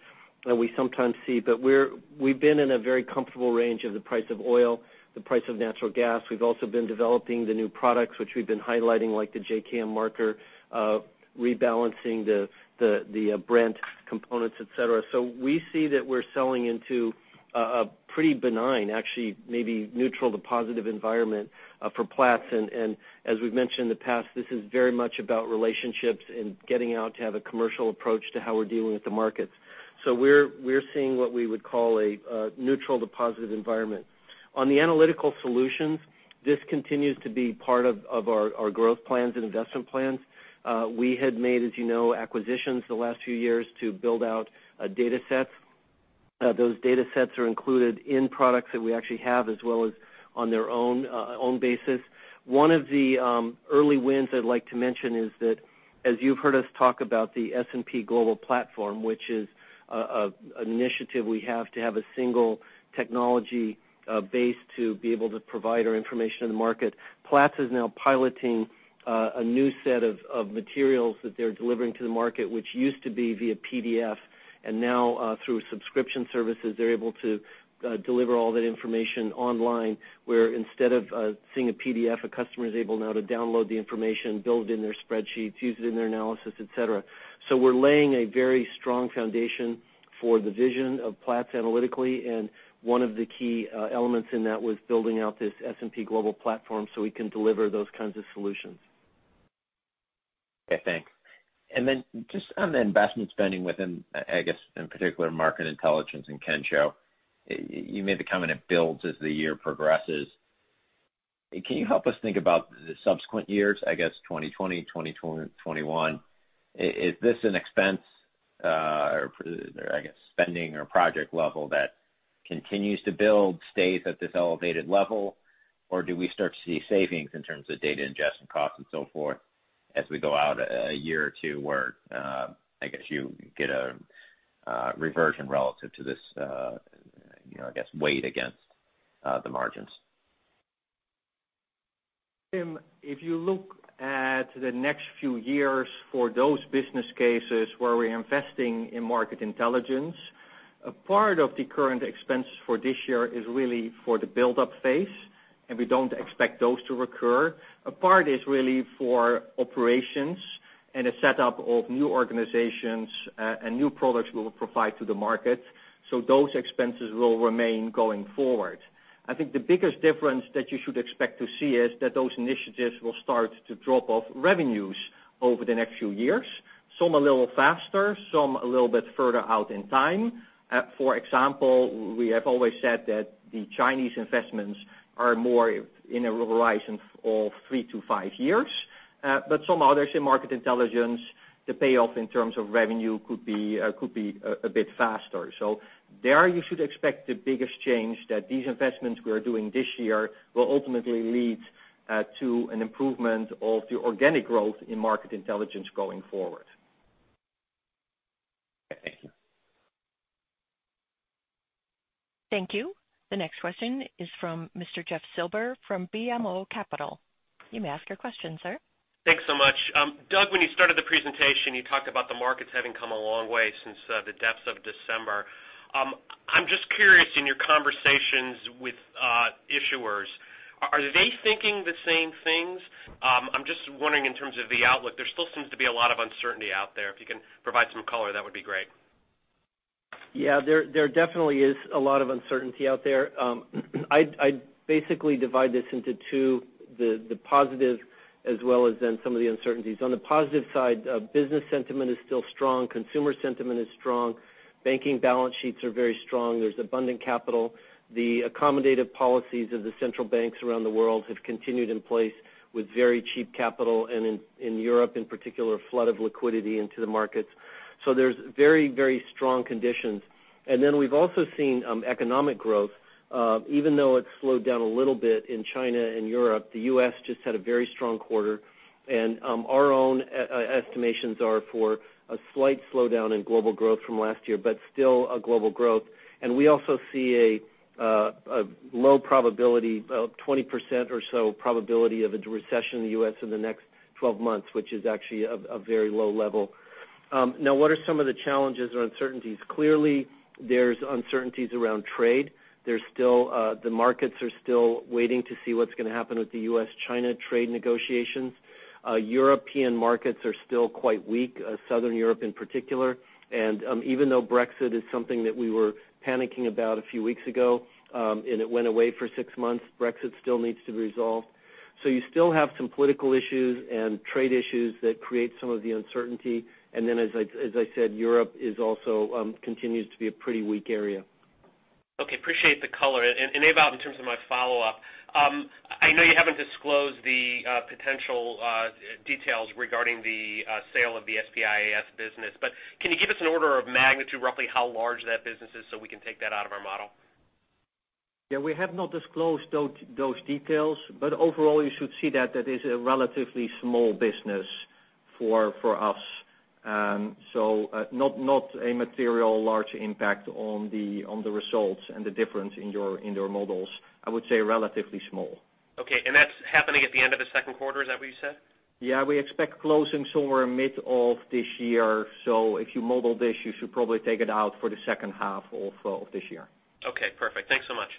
[SPEAKER 3] We sometimes see, but we've been in a very comfortable range of the price of oil, the price of natural gas. We've also been developing the new products, which we've been highlighting, like the JKM marker, rebalancing the Brent components, et cetera. We see that we're selling into a pretty benign, actually, maybe neutral to positive environment for Platts. As we've mentioned in the past, this is very much about relationships and getting out to have a commercial approach to how we're dealing with the markets. We're seeing what we would call a neutral to positive environment. On the analytical solutions, this continues to be part of our growth plans and investment plans. We had made, as you know, acquisitions the last few years to build out data sets. Those data sets are included in products that we actually have, as well as on their own basis. One of the early wins I'd like to mention is that as you've heard us talk about the S&P Global Platform, which is an initiative we have to have a single technology base to be able to provide our information in the market. Platts is now piloting a new set of materials that they're delivering to the market, which used to be via PDF, and now through subscription services, they're able to deliver all that information online, where instead of seeing a PDF, a customer is able now to download the information, build in their spreadsheets, use it in their analysis, et cetera. We're laying a very strong foundation for the vision of Platts analytically, and one of the key elements in that was building out this S&P Global Platform so we can deliver those kinds of solutions.
[SPEAKER 8] Okay, thanks. Then just on the investment spending within, I guess, in particular, Market Intelligence and Kensho. You made the comment it builds as the year progresses. Can you help us think about the subsequent years, I guess 2020, 2021? Is this an expense, or I guess, spending or project level that continues to build, stays at this elevated level? Or do we start to see savings in terms of data ingestion costs and so forth as we go out a year or two where, I guess, you get a reversion relative to this, I guess, weight against the margins?
[SPEAKER 4] Tim, if you look at the next few years for those business cases where we're investing in Market Intelligence. A part of the current expense for this year is really for the buildup phase, and we don't expect those to recur. A part is really for operations and a setup of new organizations and new products we will provide to the market. Those expenses will remain going forward. I think the biggest difference that you should expect to see is that those initiatives will start to drop off revenues over the next few years. Some a little faster, some a little bit further out in time. For example, we have always said that the Chinese investments are more in a horizon of three to five years. Some others in Market Intelligence, the payoff in terms of revenue could be a bit faster. There you should expect the biggest change that these investments we are doing this year will ultimately lead to an improvement of the organic growth in market intelligence going forward.
[SPEAKER 8] Thank you.
[SPEAKER 1] Thank you. The next question is from Mr. Jeff Silber from BMO Capital. You may ask your question, sir.
[SPEAKER 9] Thanks so much. Doug, when you started the presentation, you talked about the markets having come a long way since the depths of December. I'm just curious, in your conversations with issuers, are they thinking the same things? I'm just wondering in terms of the outlook. There still seems to be a lot of uncertainty out there. If you can provide some color, that would be great.
[SPEAKER 3] Yeah, there definitely is a lot of uncertainty out there. I basically divide this into two, the positive as well as then some of the uncertainties. On the positive side, business sentiment is still strong, consumer sentiment is strong, banking balance sheets are very strong. There's abundant capital. The accommodative policies of the central banks around the world have continued in place with very cheap capital, and in Europe in particular, a flood of liquidity into the markets. There's very, very strong conditions. We've also seen economic growth. Even though it's slowed down a little bit in China and Europe, the U.S. just had a very strong quarter. Our own estimations are for a slight slowdown in global growth from last year, but still a global growth. We also see a low probability, about 20% or so probability of a recession in the U.S. in the next 12 months, which is actually a very low level. Now, what are some of the challenges or uncertainties? Clearly, there's uncertainties around trade. The markets are still waiting to see what's going to happen with the U.S.-China trade negotiations. European markets are still quite weak, Southern Europe in particular. Even though Brexit is something that we were panicking about a few weeks ago, and it went away for six months, Brexit still needs to be resolved. You still have some political issues and trade issues that create some of the uncertainty. As I said, Europe also continues to be a pretty weak area.
[SPEAKER 9] Okay. Appreciate the color. Ewout, in terms of my follow-up, I know you haven't disclosed the potential details regarding the sale of the SPIAS business, but can you give us an order of magnitude, roughly how large that business is, so we can take that out of our model?
[SPEAKER 4] Yeah, we have not disclosed those details. Overall, you should see that that is a relatively small business for us. Not a material large impact on the results and the difference in your models. I would say relatively small.
[SPEAKER 9] Okay, that's happening at the end of the second quarter, is that what you said?
[SPEAKER 4] Yeah, we expect closing somewhere mid of this year. If you model this, you should probably take it out for the second half of this year.
[SPEAKER 9] Okay, perfect. Thanks so much.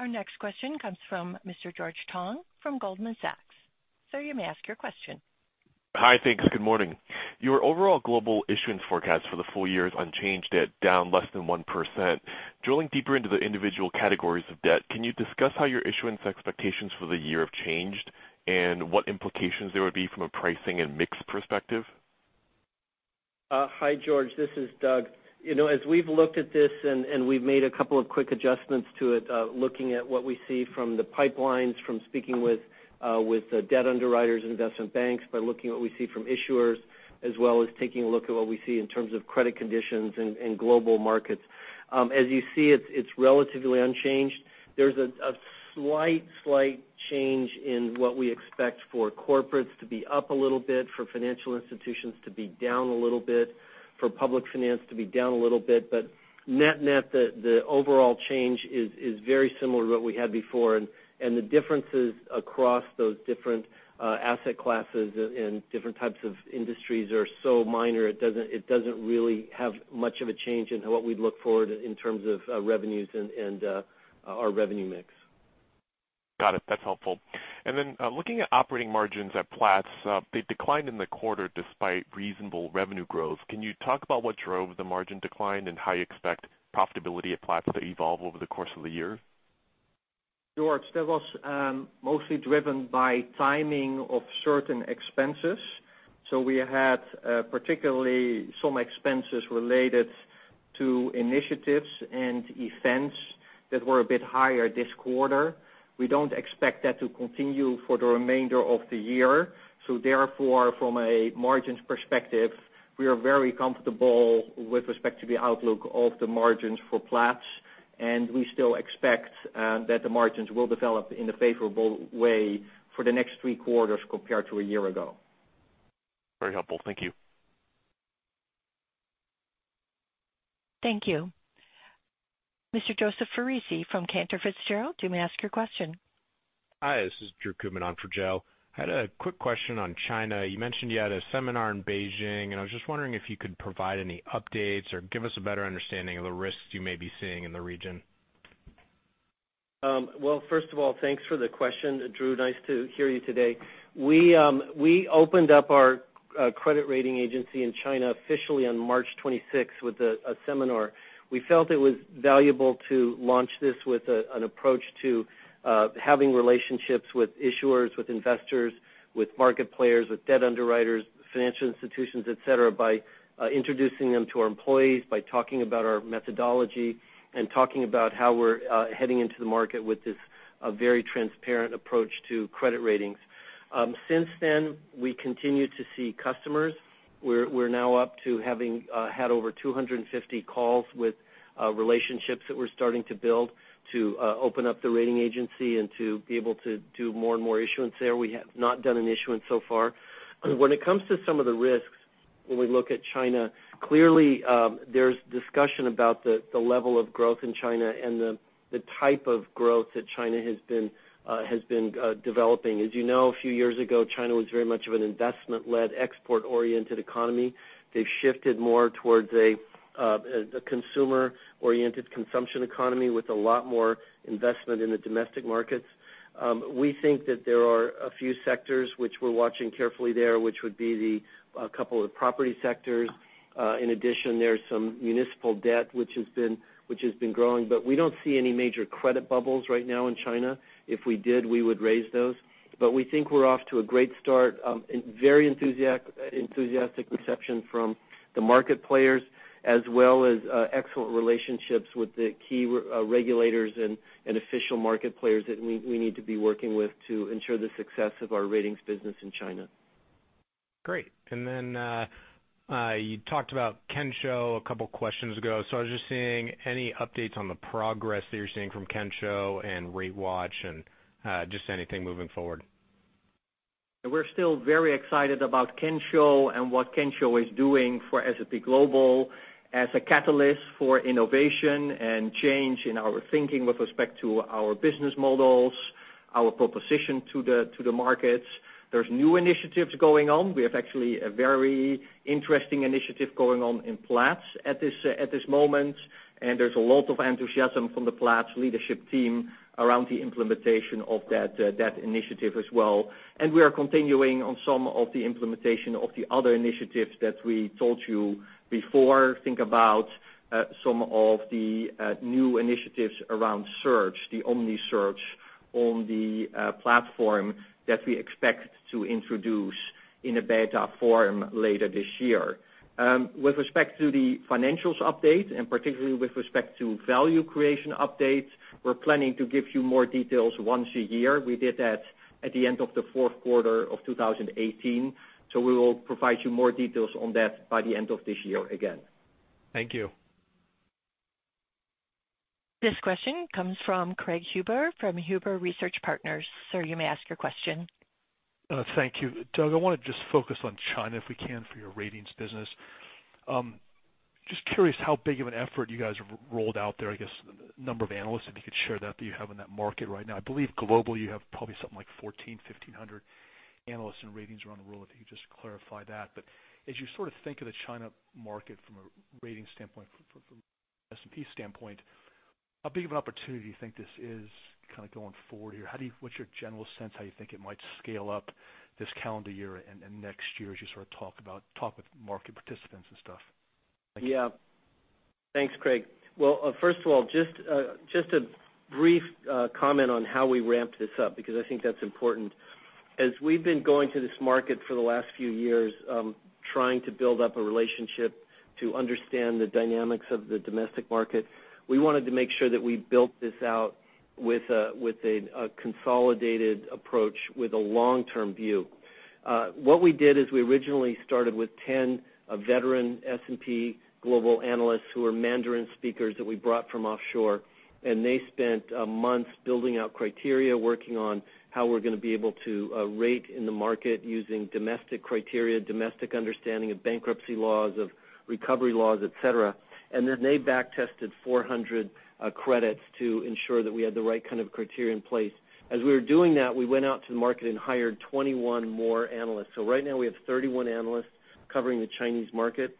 [SPEAKER 1] Our next question comes from Mr. George Tong from Goldman Sachs. Sir, you may ask your question.
[SPEAKER 10] Hi, thanks. Good morning. Your overall global issuance forecast for the full year is unchanged at down less than 1%. Drilling deeper into the individual categories of debt, can you discuss how your issuance expectations for the year have changed, and what implications there would be from a pricing and mix perspective?
[SPEAKER 3] Hi, George. This is Doug. As we've looked at this, and we've made a couple of quick adjustments to it, looking at what we see from the pipelines, from speaking with debt underwriters and investment banks, by looking at what we see from issuers, as well as taking a look at what we see in terms of credit conditions in global markets. As you see, it's relatively unchanged. There's a slight change in what we expect for corporates to be up a little bit, for financial institutions to be down a little bit, for public finance to be down a little bit. Net net, the overall change is very similar to what we had before, and the differences across those different asset classes and different types of industries are so minor, it doesn't really have much of a change in what we look forward in terms of revenues and our revenue mix.
[SPEAKER 10] Got it. That's helpful. Looking at operating margins at Platts, they declined in the quarter despite reasonable revenue growth. Can you talk about what drove the margin decline and how you expect profitability at Platts to evolve over the course of the year?
[SPEAKER 4] George, that was mostly driven by timing of certain expenses. We had particularly some expenses related to initiatives and events that were a bit higher this quarter. We don't expect that to continue for the remainder of the year. Therefore, from a margins perspective, we are very comfortable with respect to the outlook of the margins for Platts, and we still expect that the margins will develop in a favorable way for the next three quarters compared to a year ago.
[SPEAKER 10] Very helpful. Thank you.
[SPEAKER 1] Thank you. Mr. Joseph Foresi from Cantor Fitzgerald, you may ask your question.
[SPEAKER 11] Hi, this is Drew Kuehn on for Joe. I had a quick question on China. You mentioned you had a seminar in Beijing, and I was just wondering if you could provide any updates or give us a better understanding of the risks you may be seeing in the region.
[SPEAKER 3] Well, first of all, thanks for the question, Drew. Nice to hear you today. We opened up our credit rating agency in China officially on March 26 with a seminar. We felt it was valuable to launch this with an approach to having relationships with issuers, with investors, with market players, with debt underwriters, financial institutions, et cetera, by introducing them to our employees, by talking about our methodology, and talking about how we're heading into the market with this very transparent approach to credit ratings. Since then, we continue to see customers. We're now up to having had over 250 calls with relationships that we're starting to build to open up the rating agency and to be able to do more and more issuance there. We have not done an issuance so far. When it comes to some of the risks, when we look at China, clearly, there's discussion about the level of growth in China and the type of growth that China has been developing. As you know, a few years ago, China was very much of an investment-led, export-oriented economy. They've shifted more towards a consumer-oriented consumption economy with a lot more investment in the domestic markets. We think that there are a few sectors which we're watching carefully there, which would be a couple of the property sectors. In addition, there's some municipal debt, which has been growing. We don't see any major credit bubbles right now in China. If we did, we would raise those. We think we're off to a great start. Very enthusiastic reception from the market players, as well as excellent relationships with the key regulators and official market players that we need to be working with to ensure the success of our ratings business in China.
[SPEAKER 11] Great. Then, you talked about Kensho a couple of questions ago. I was just seeing any updates on the progress that you're seeing from Kensho and RateWatch, and just anything moving forward.
[SPEAKER 4] We're still very excited about Kensho and what Kensho is doing for S&P Global as a catalyst for innovation and change in our thinking with respect to our business models, our proposition to the markets. There's new initiatives going on. We have actually a very interesting initiative going on in Platts at this moment, and there's a lot of enthusiasm from the Platts leadership team around the implementation of that initiative as well. We are continuing on some of the implementation of the other initiatives that we told you before. Think about some of the new initiatives around search, the omni-search on the platform that we expect to introduce in a beta form later this year. With respect to the financials update, particularly with respect to value creation updates, we're planning to give you more details once a year. We did that at the end of the fourth quarter of 2018. We will provide you more details on that by the end of this year again.
[SPEAKER 11] Thank you.
[SPEAKER 1] This question comes from Craig Huber from Huber Research Partners. Sir, you may ask your question.
[SPEAKER 12] Thank you. Doug, I want to just focus on China, if we can, for your ratings business. Just curious how big of an effort you guys have rolled out there, I guess, number of analysts, if you could share that you have in that market right now. I believe globally you have probably something like 1,400, 1,500 analysts and ratings around the world, if you could just clarify that. As you think of the China market from a ratings standpoint, from S&P standpoint, how big of an opportunity do you think this is going forward here? What's your general sense how you think it might scale up this calendar year and next year as you talk with market participants and stuff?
[SPEAKER 3] Yeah. Thanks, Craig. Well, first of all, just a brief comment on how we ramp this up, because I think that's important. As we've been going to this market for the last few years, trying to build up a relationship to understand the dynamics of the domestic market, we wanted to make sure that we built this out with a consolidated approach with a long-term view. What we did is we originally started with 10 veteran S&P Global analysts who are Mandarin speakers that we brought from offshore, and they spent months building out criteria, working on how we're going to be able to rate in the market using domestic criteria, domestic understanding of bankruptcy laws, of recovery laws, et cetera. They back-tested 400 credits to ensure that we had the right kind of criteria in place. As we were doing that, we went out to the market and hired 21 more analysts. Right now we have 31 analysts covering the Chinese market.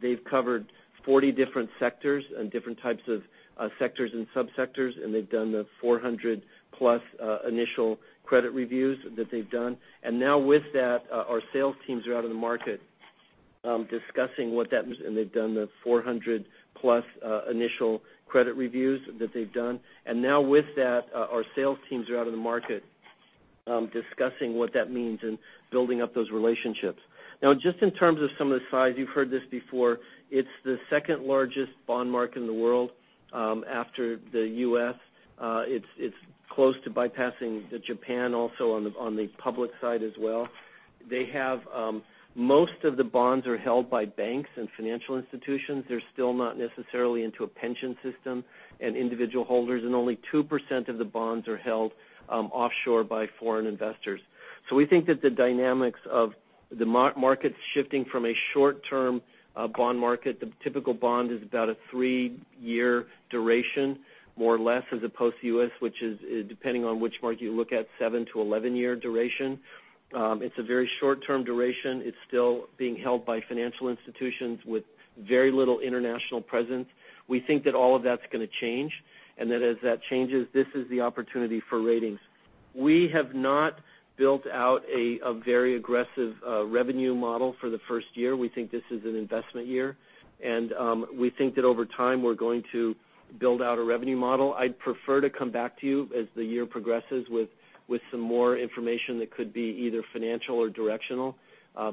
[SPEAKER 3] They've covered 40 different sectors and different types of sectors and sub-sectors, and they've done the 400-plus initial credit reviews that they've done. With that, our sales teams are out in the market discussing what that means and building up those relationships. Just in terms of some of the size, you've heard this before, it's the second largest bond market in the world after the U.S. It's close to bypassing Japan also on the public side as well. Most of the bonds are held by banks and financial institutions. They're still not necessarily into a pension system and individual holders, and only 2% of the bonds are held offshore by foreign investors. We think that the dynamics of the market's shifting from a short-term bond market. The typical bond is about a three-year duration, more or less as opposed to U.S., which is, depending on which market you look at, seven to 11-year duration. It's a very short-term duration. It's still being held by financial institutions with very little international presence. We think that all of that's going to change, and that as that changes, this is the opportunity for ratings. We have not built out a very aggressive revenue model for the first year. We think this is an investment year. We think that over time, we're going to build out a revenue model. I'd prefer to come back to you as the year progresses with some more information that could be either financial or directional,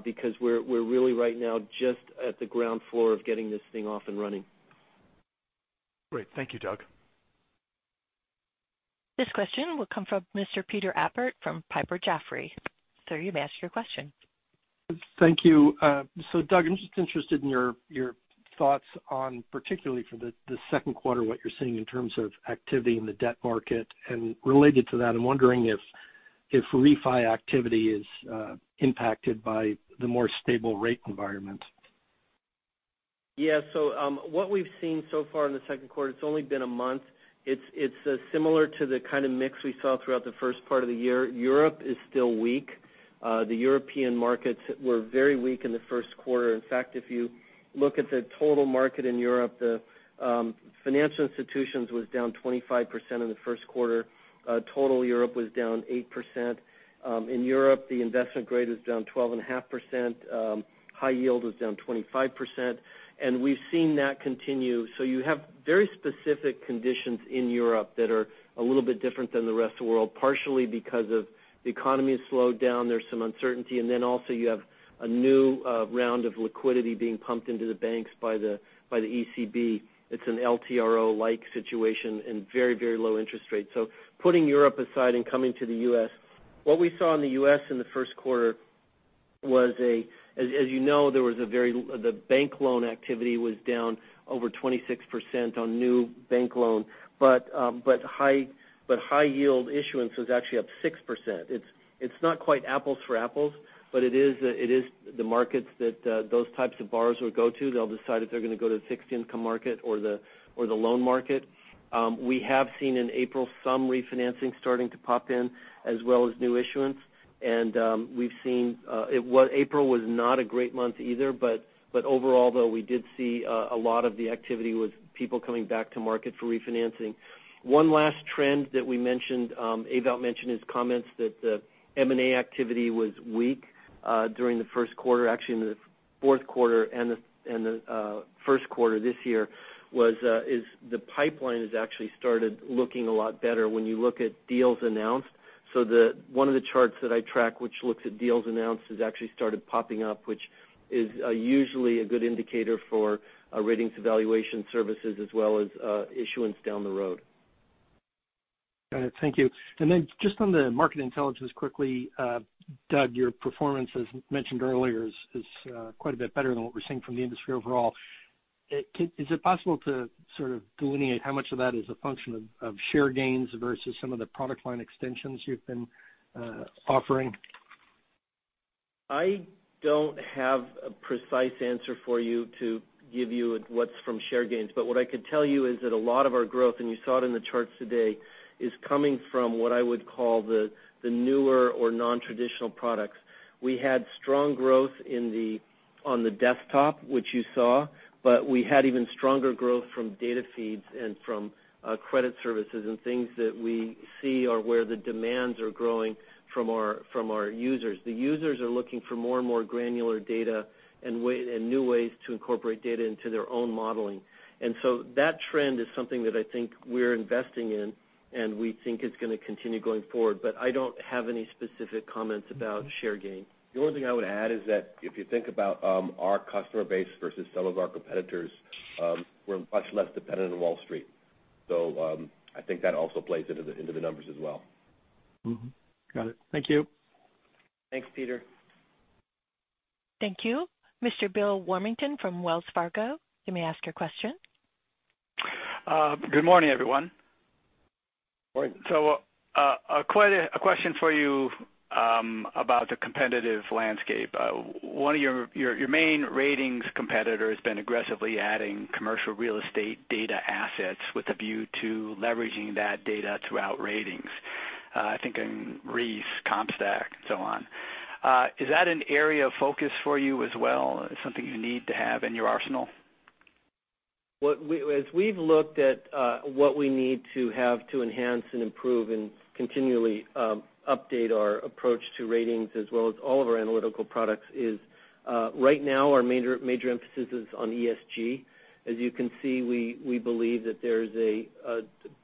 [SPEAKER 3] because we're really right now just at the ground floor of getting this thing off and running.
[SPEAKER 12] Great. Thank you, Doug.
[SPEAKER 1] This question will come from Mr. Peter Appert from Piper Jaffray. Sir, you may ask your question.
[SPEAKER 13] Thank you. Doug, I'm just interested in your thoughts on, particularly for the second quarter, what you're seeing in terms of activity in the debt market. Related to that, I'm wondering if refi activity is impacted by the more stable rate environment.
[SPEAKER 3] Yeah. What we've seen so far in the second quarter, it's only been a month. It's similar to the kind of mix we saw throughout the first part of the year. Europe is still weak. The European markets were very weak in the first quarter. In fact, if you look at the total market in Europe, the financial institutions was down 25% in the first quarter. Total Europe was down 8%. In Europe, the investment grade was down 12.5%. High yield was down 25%. We've seen that continue. You have very specific conditions in Europe that are a little bit different than the rest of the world, partially because of the economy has slowed down. There's some uncertainty. Also you have a new round of liquidity being pumped into the banks by the ECB. It's an LTRO-like situation and very low interest rates. Putting Europe aside and coming to the U.S., what we saw in the U.S. in the first quarter was, as you know, the bank loan activity was down over 26% on new bank loan. High yield issuance was actually up 6%. It's not quite apples for apples, but it is the markets that those types of borrowers would go to. They'll decide if they're going to go to the fixed income market or the loan market. We have seen in April some refinancing starting to pop in as well as new issuance. April was not a great month either, but overall, though, we did see a lot of the activity with people coming back to market for refinancing. One last trend that we mentioned, Ewout mentioned in his comments that the M&A activity was weak during the first quarter. Actually, in the fourth quarter and the first quarter this year, the pipeline has actually started looking a lot better when you look at deals announced. One of the charts that I track, which looks at deals announced, has actually started popping up, which is usually a good indicator for ratings evaluation services as well as issuance down the road.
[SPEAKER 13] Got it. Thank you. Then just on the market intelligence quickly, Doug, your performance, as mentioned earlier, is quite a bit better than what we're seeing from the industry overall. Is it possible to delineate how much of that is a function of share gains versus some of the product line extensions you've been offering?
[SPEAKER 3] I don't have a precise answer for you to give you what's from share gains. What I can tell you is that a lot of our growth, and you saw it in the charts today, is coming from what I would call the newer or non-traditional products. We had strong growth on the desktop, which you saw, but we had even stronger growth from data feeds and from credit services and things that we see are where the demands are growing from our users. The users are looking for more and more granular data and new ways to incorporate data into their own modeling. That trend is something that I think we're investing in, and we think it's going to continue going forward. I don't have any specific comments about share gain.
[SPEAKER 2] The only thing I would add is that if you think about our customer base versus some of our competitors, we're much less dependent on Wall Street. I think that also plays into the numbers as well.
[SPEAKER 13] Got it. Thank you.
[SPEAKER 3] Thanks, Peter.
[SPEAKER 1] Thank you. Mr. Bill Warmington from Wells Fargo, you may ask your question.
[SPEAKER 14] Good morning, everyone.
[SPEAKER 3] Morning.
[SPEAKER 14] Quite a question for you about the competitive landscape. One of your main ratings competitor has been aggressively adding commercial real estate data assets with a view to leveraging that data throughout ratings. Thinking Reis, CompStak, and so on. Is that an area of focus for you as well? Something you need to have in your arsenal?
[SPEAKER 3] As we've looked at what we need to have to enhance and improve and continually update our approach to ratings as well as all of our analytical products, right now our major emphasis is on ESG. As you can see, we believe that there's a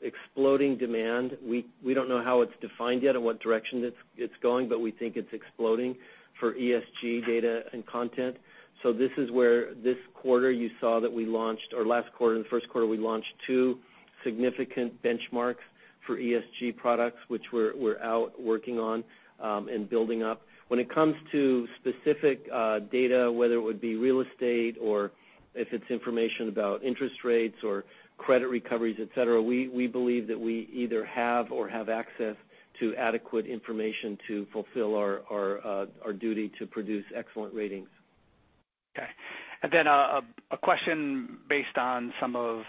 [SPEAKER 3] exploding demand. We don't know how it's defined yet or what direction it's going, but we think it's exploding for ESG data and content. This is where this quarter you saw that we launched, or last quarter and the first quarter, we launched two significant benchmarks for ESG products, which we're out working on and building up. When it comes to specific data, whether it would be real estate or if it's information about interest rates or credit recoveries, et cetera, we believe that we either have or have access to adequate information to fulfill our duty to produce excellent ratings.
[SPEAKER 14] Okay. Then a question based on some of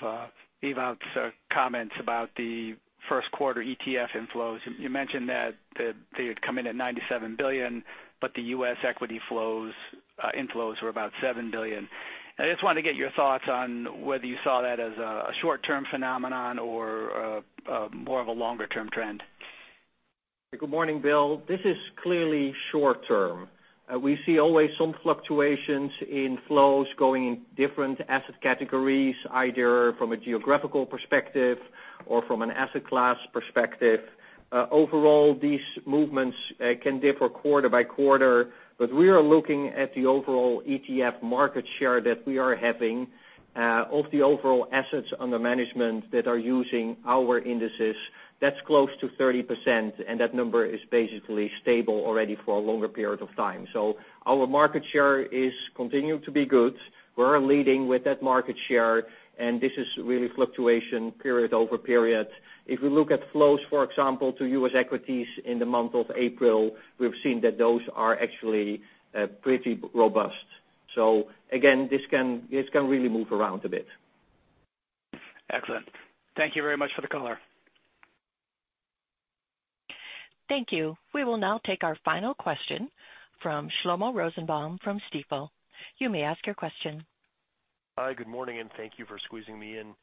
[SPEAKER 14] Ewout's comments about the first quarter ETF inflows. You mentioned that they had come in at $97 billion, but the U.S. equity inflows were about $7 billion. I just wanted to get your thoughts on whether you saw that as a short-term phenomenon or more of a longer-term trend.
[SPEAKER 4] Good morning, Bill. This is clearly short-term. We see always some fluctuations in flows going in different asset categories, either from a geographical perspective or from an asset class perspective. Overall, these movements can differ quarter-by-quarter, but we are looking at the overall ETF market share that we are having of the overall assets under management that are using our indices. That's close to 30%, and that number is basically stable already for a longer period of time. Our market share is continuing to be good. We're leading with that market share, and this is really fluctuation period over period. If we look at flows, for example, to U.S. equities in the month of April, we've seen that those are actually pretty robust. Again, this can really move around a bit.
[SPEAKER 14] Excellent. Thank you very much for the color.
[SPEAKER 1] Thank you. We will now take our final question from Shlomo Rosenbaum from Stifel. You may ask your question.
[SPEAKER 15] Hi, good morning, and thank you for squeezing me in.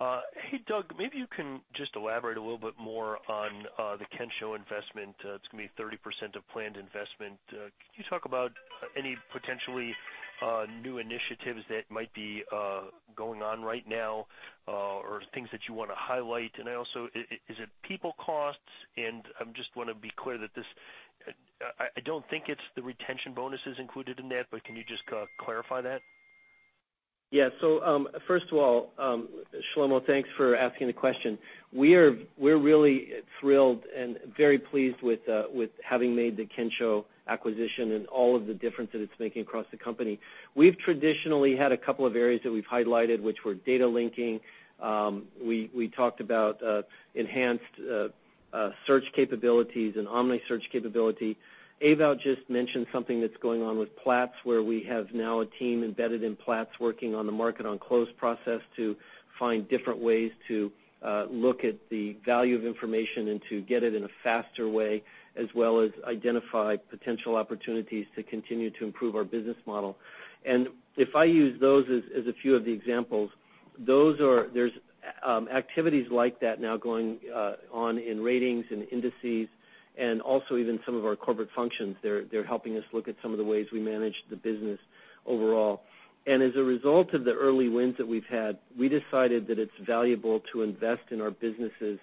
[SPEAKER 15] Hey, Doug, maybe you can just elaborate a little bit more on the Kensho investment. It is going to be 30% of planned investment. Could you talk about any potentially new initiatives that might be going on right now or things that you want to highlight? Is it people costs? I just want to be clear, I do not think it is the retention bonuses included in that, but can you just clarify that?
[SPEAKER 3] First of all, Shlomo, thanks for asking the question. We are really thrilled and very pleased with having made the Kensho acquisition and all of the difference that it is making across the company. We have traditionally had a couple of areas that we have highlighted, which were data linking. We talked about enhanced search capabilities and omni-search capability. Ewout just mentioned something that is going on with Platts, where we have now a team embedded in Platts working on the market on close process to find different ways to look at the value of information and to get it in a faster way, as well as identify potential opportunities to continue to improve our business model. If I use those as a few of the examples, there is activities like that now going on in Ratings and Indices and also even some of our corporate functions. They are helping us look at some of the ways we manage the business overall. As a result of the early wins that we have had, we decided that it is valuable to invest in our businesses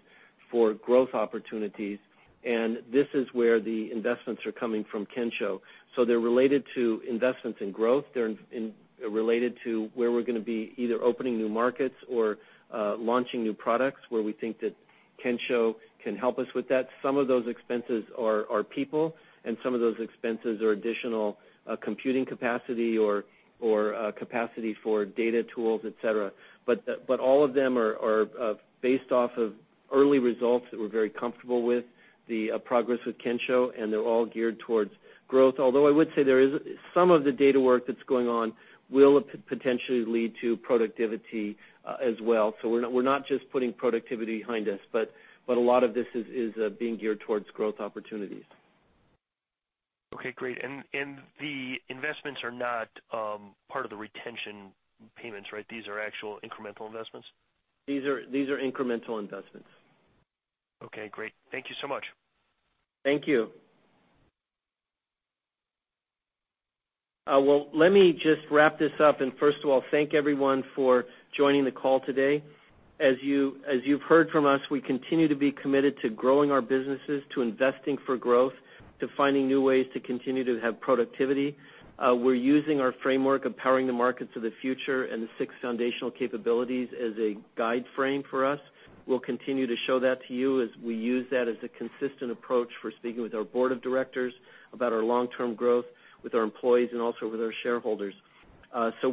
[SPEAKER 3] for growth opportunities, and this is where the investments are coming from Kensho. They are related to investments in growth. They are related to where we are going to be either opening new markets or launching new products where we think that Kensho can help us with that. Some of those expenses are people, and some of those expenses are additional computing capacity or capacity for data tools, et cetera. All of them are based off of early results that we are very comfortable with, the progress with Kensho, and they are all geared towards growth. Although I would say some of the data work that is going on will potentially lead to productivity as well. We are not just putting productivity behind us, but a lot of this is being geared towards growth opportunities.
[SPEAKER 15] Okay, great. The investments are not part of the retention payments, right? These are actual incremental investments.
[SPEAKER 3] These are incremental investments.
[SPEAKER 15] Okay, great. Thank you so much.
[SPEAKER 3] Thank you. Well, let me just wrap this up and first of all, thank everyone for joining the call today. As you've heard from us, we continue to be committed to growing our businesses, to investing for growth, to finding new ways to continue to have productivity. We're using our framework of Powering the Markets of the Future and the six foundational capabilities as a guide frame for us. We'll continue to show that to you as we use that as a consistent approach for speaking with our Board of Directors about our long-term growth with our employees and also with our shareholders.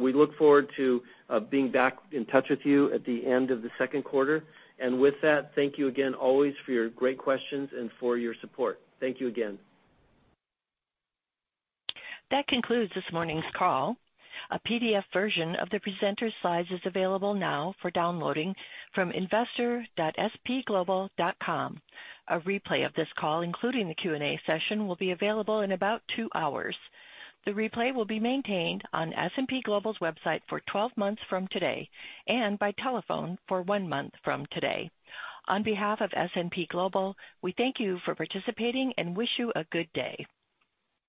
[SPEAKER 3] We look forward to being back in touch with you at the end of the second quarter. With that, thank you again always for your great questions and for your support. Thank you again.
[SPEAKER 1] That concludes this morning's call. A PDF version of the presenter's slides is available now for downloading from investor.spglobal.com. A replay of this call, including the Q&A session, will be available in about two hours. The replay will be maintained on S&P Global's website for 12 months from today, and by telephone for one month from today. On behalf of S&P Global, we thank you for participating and wish you a good day.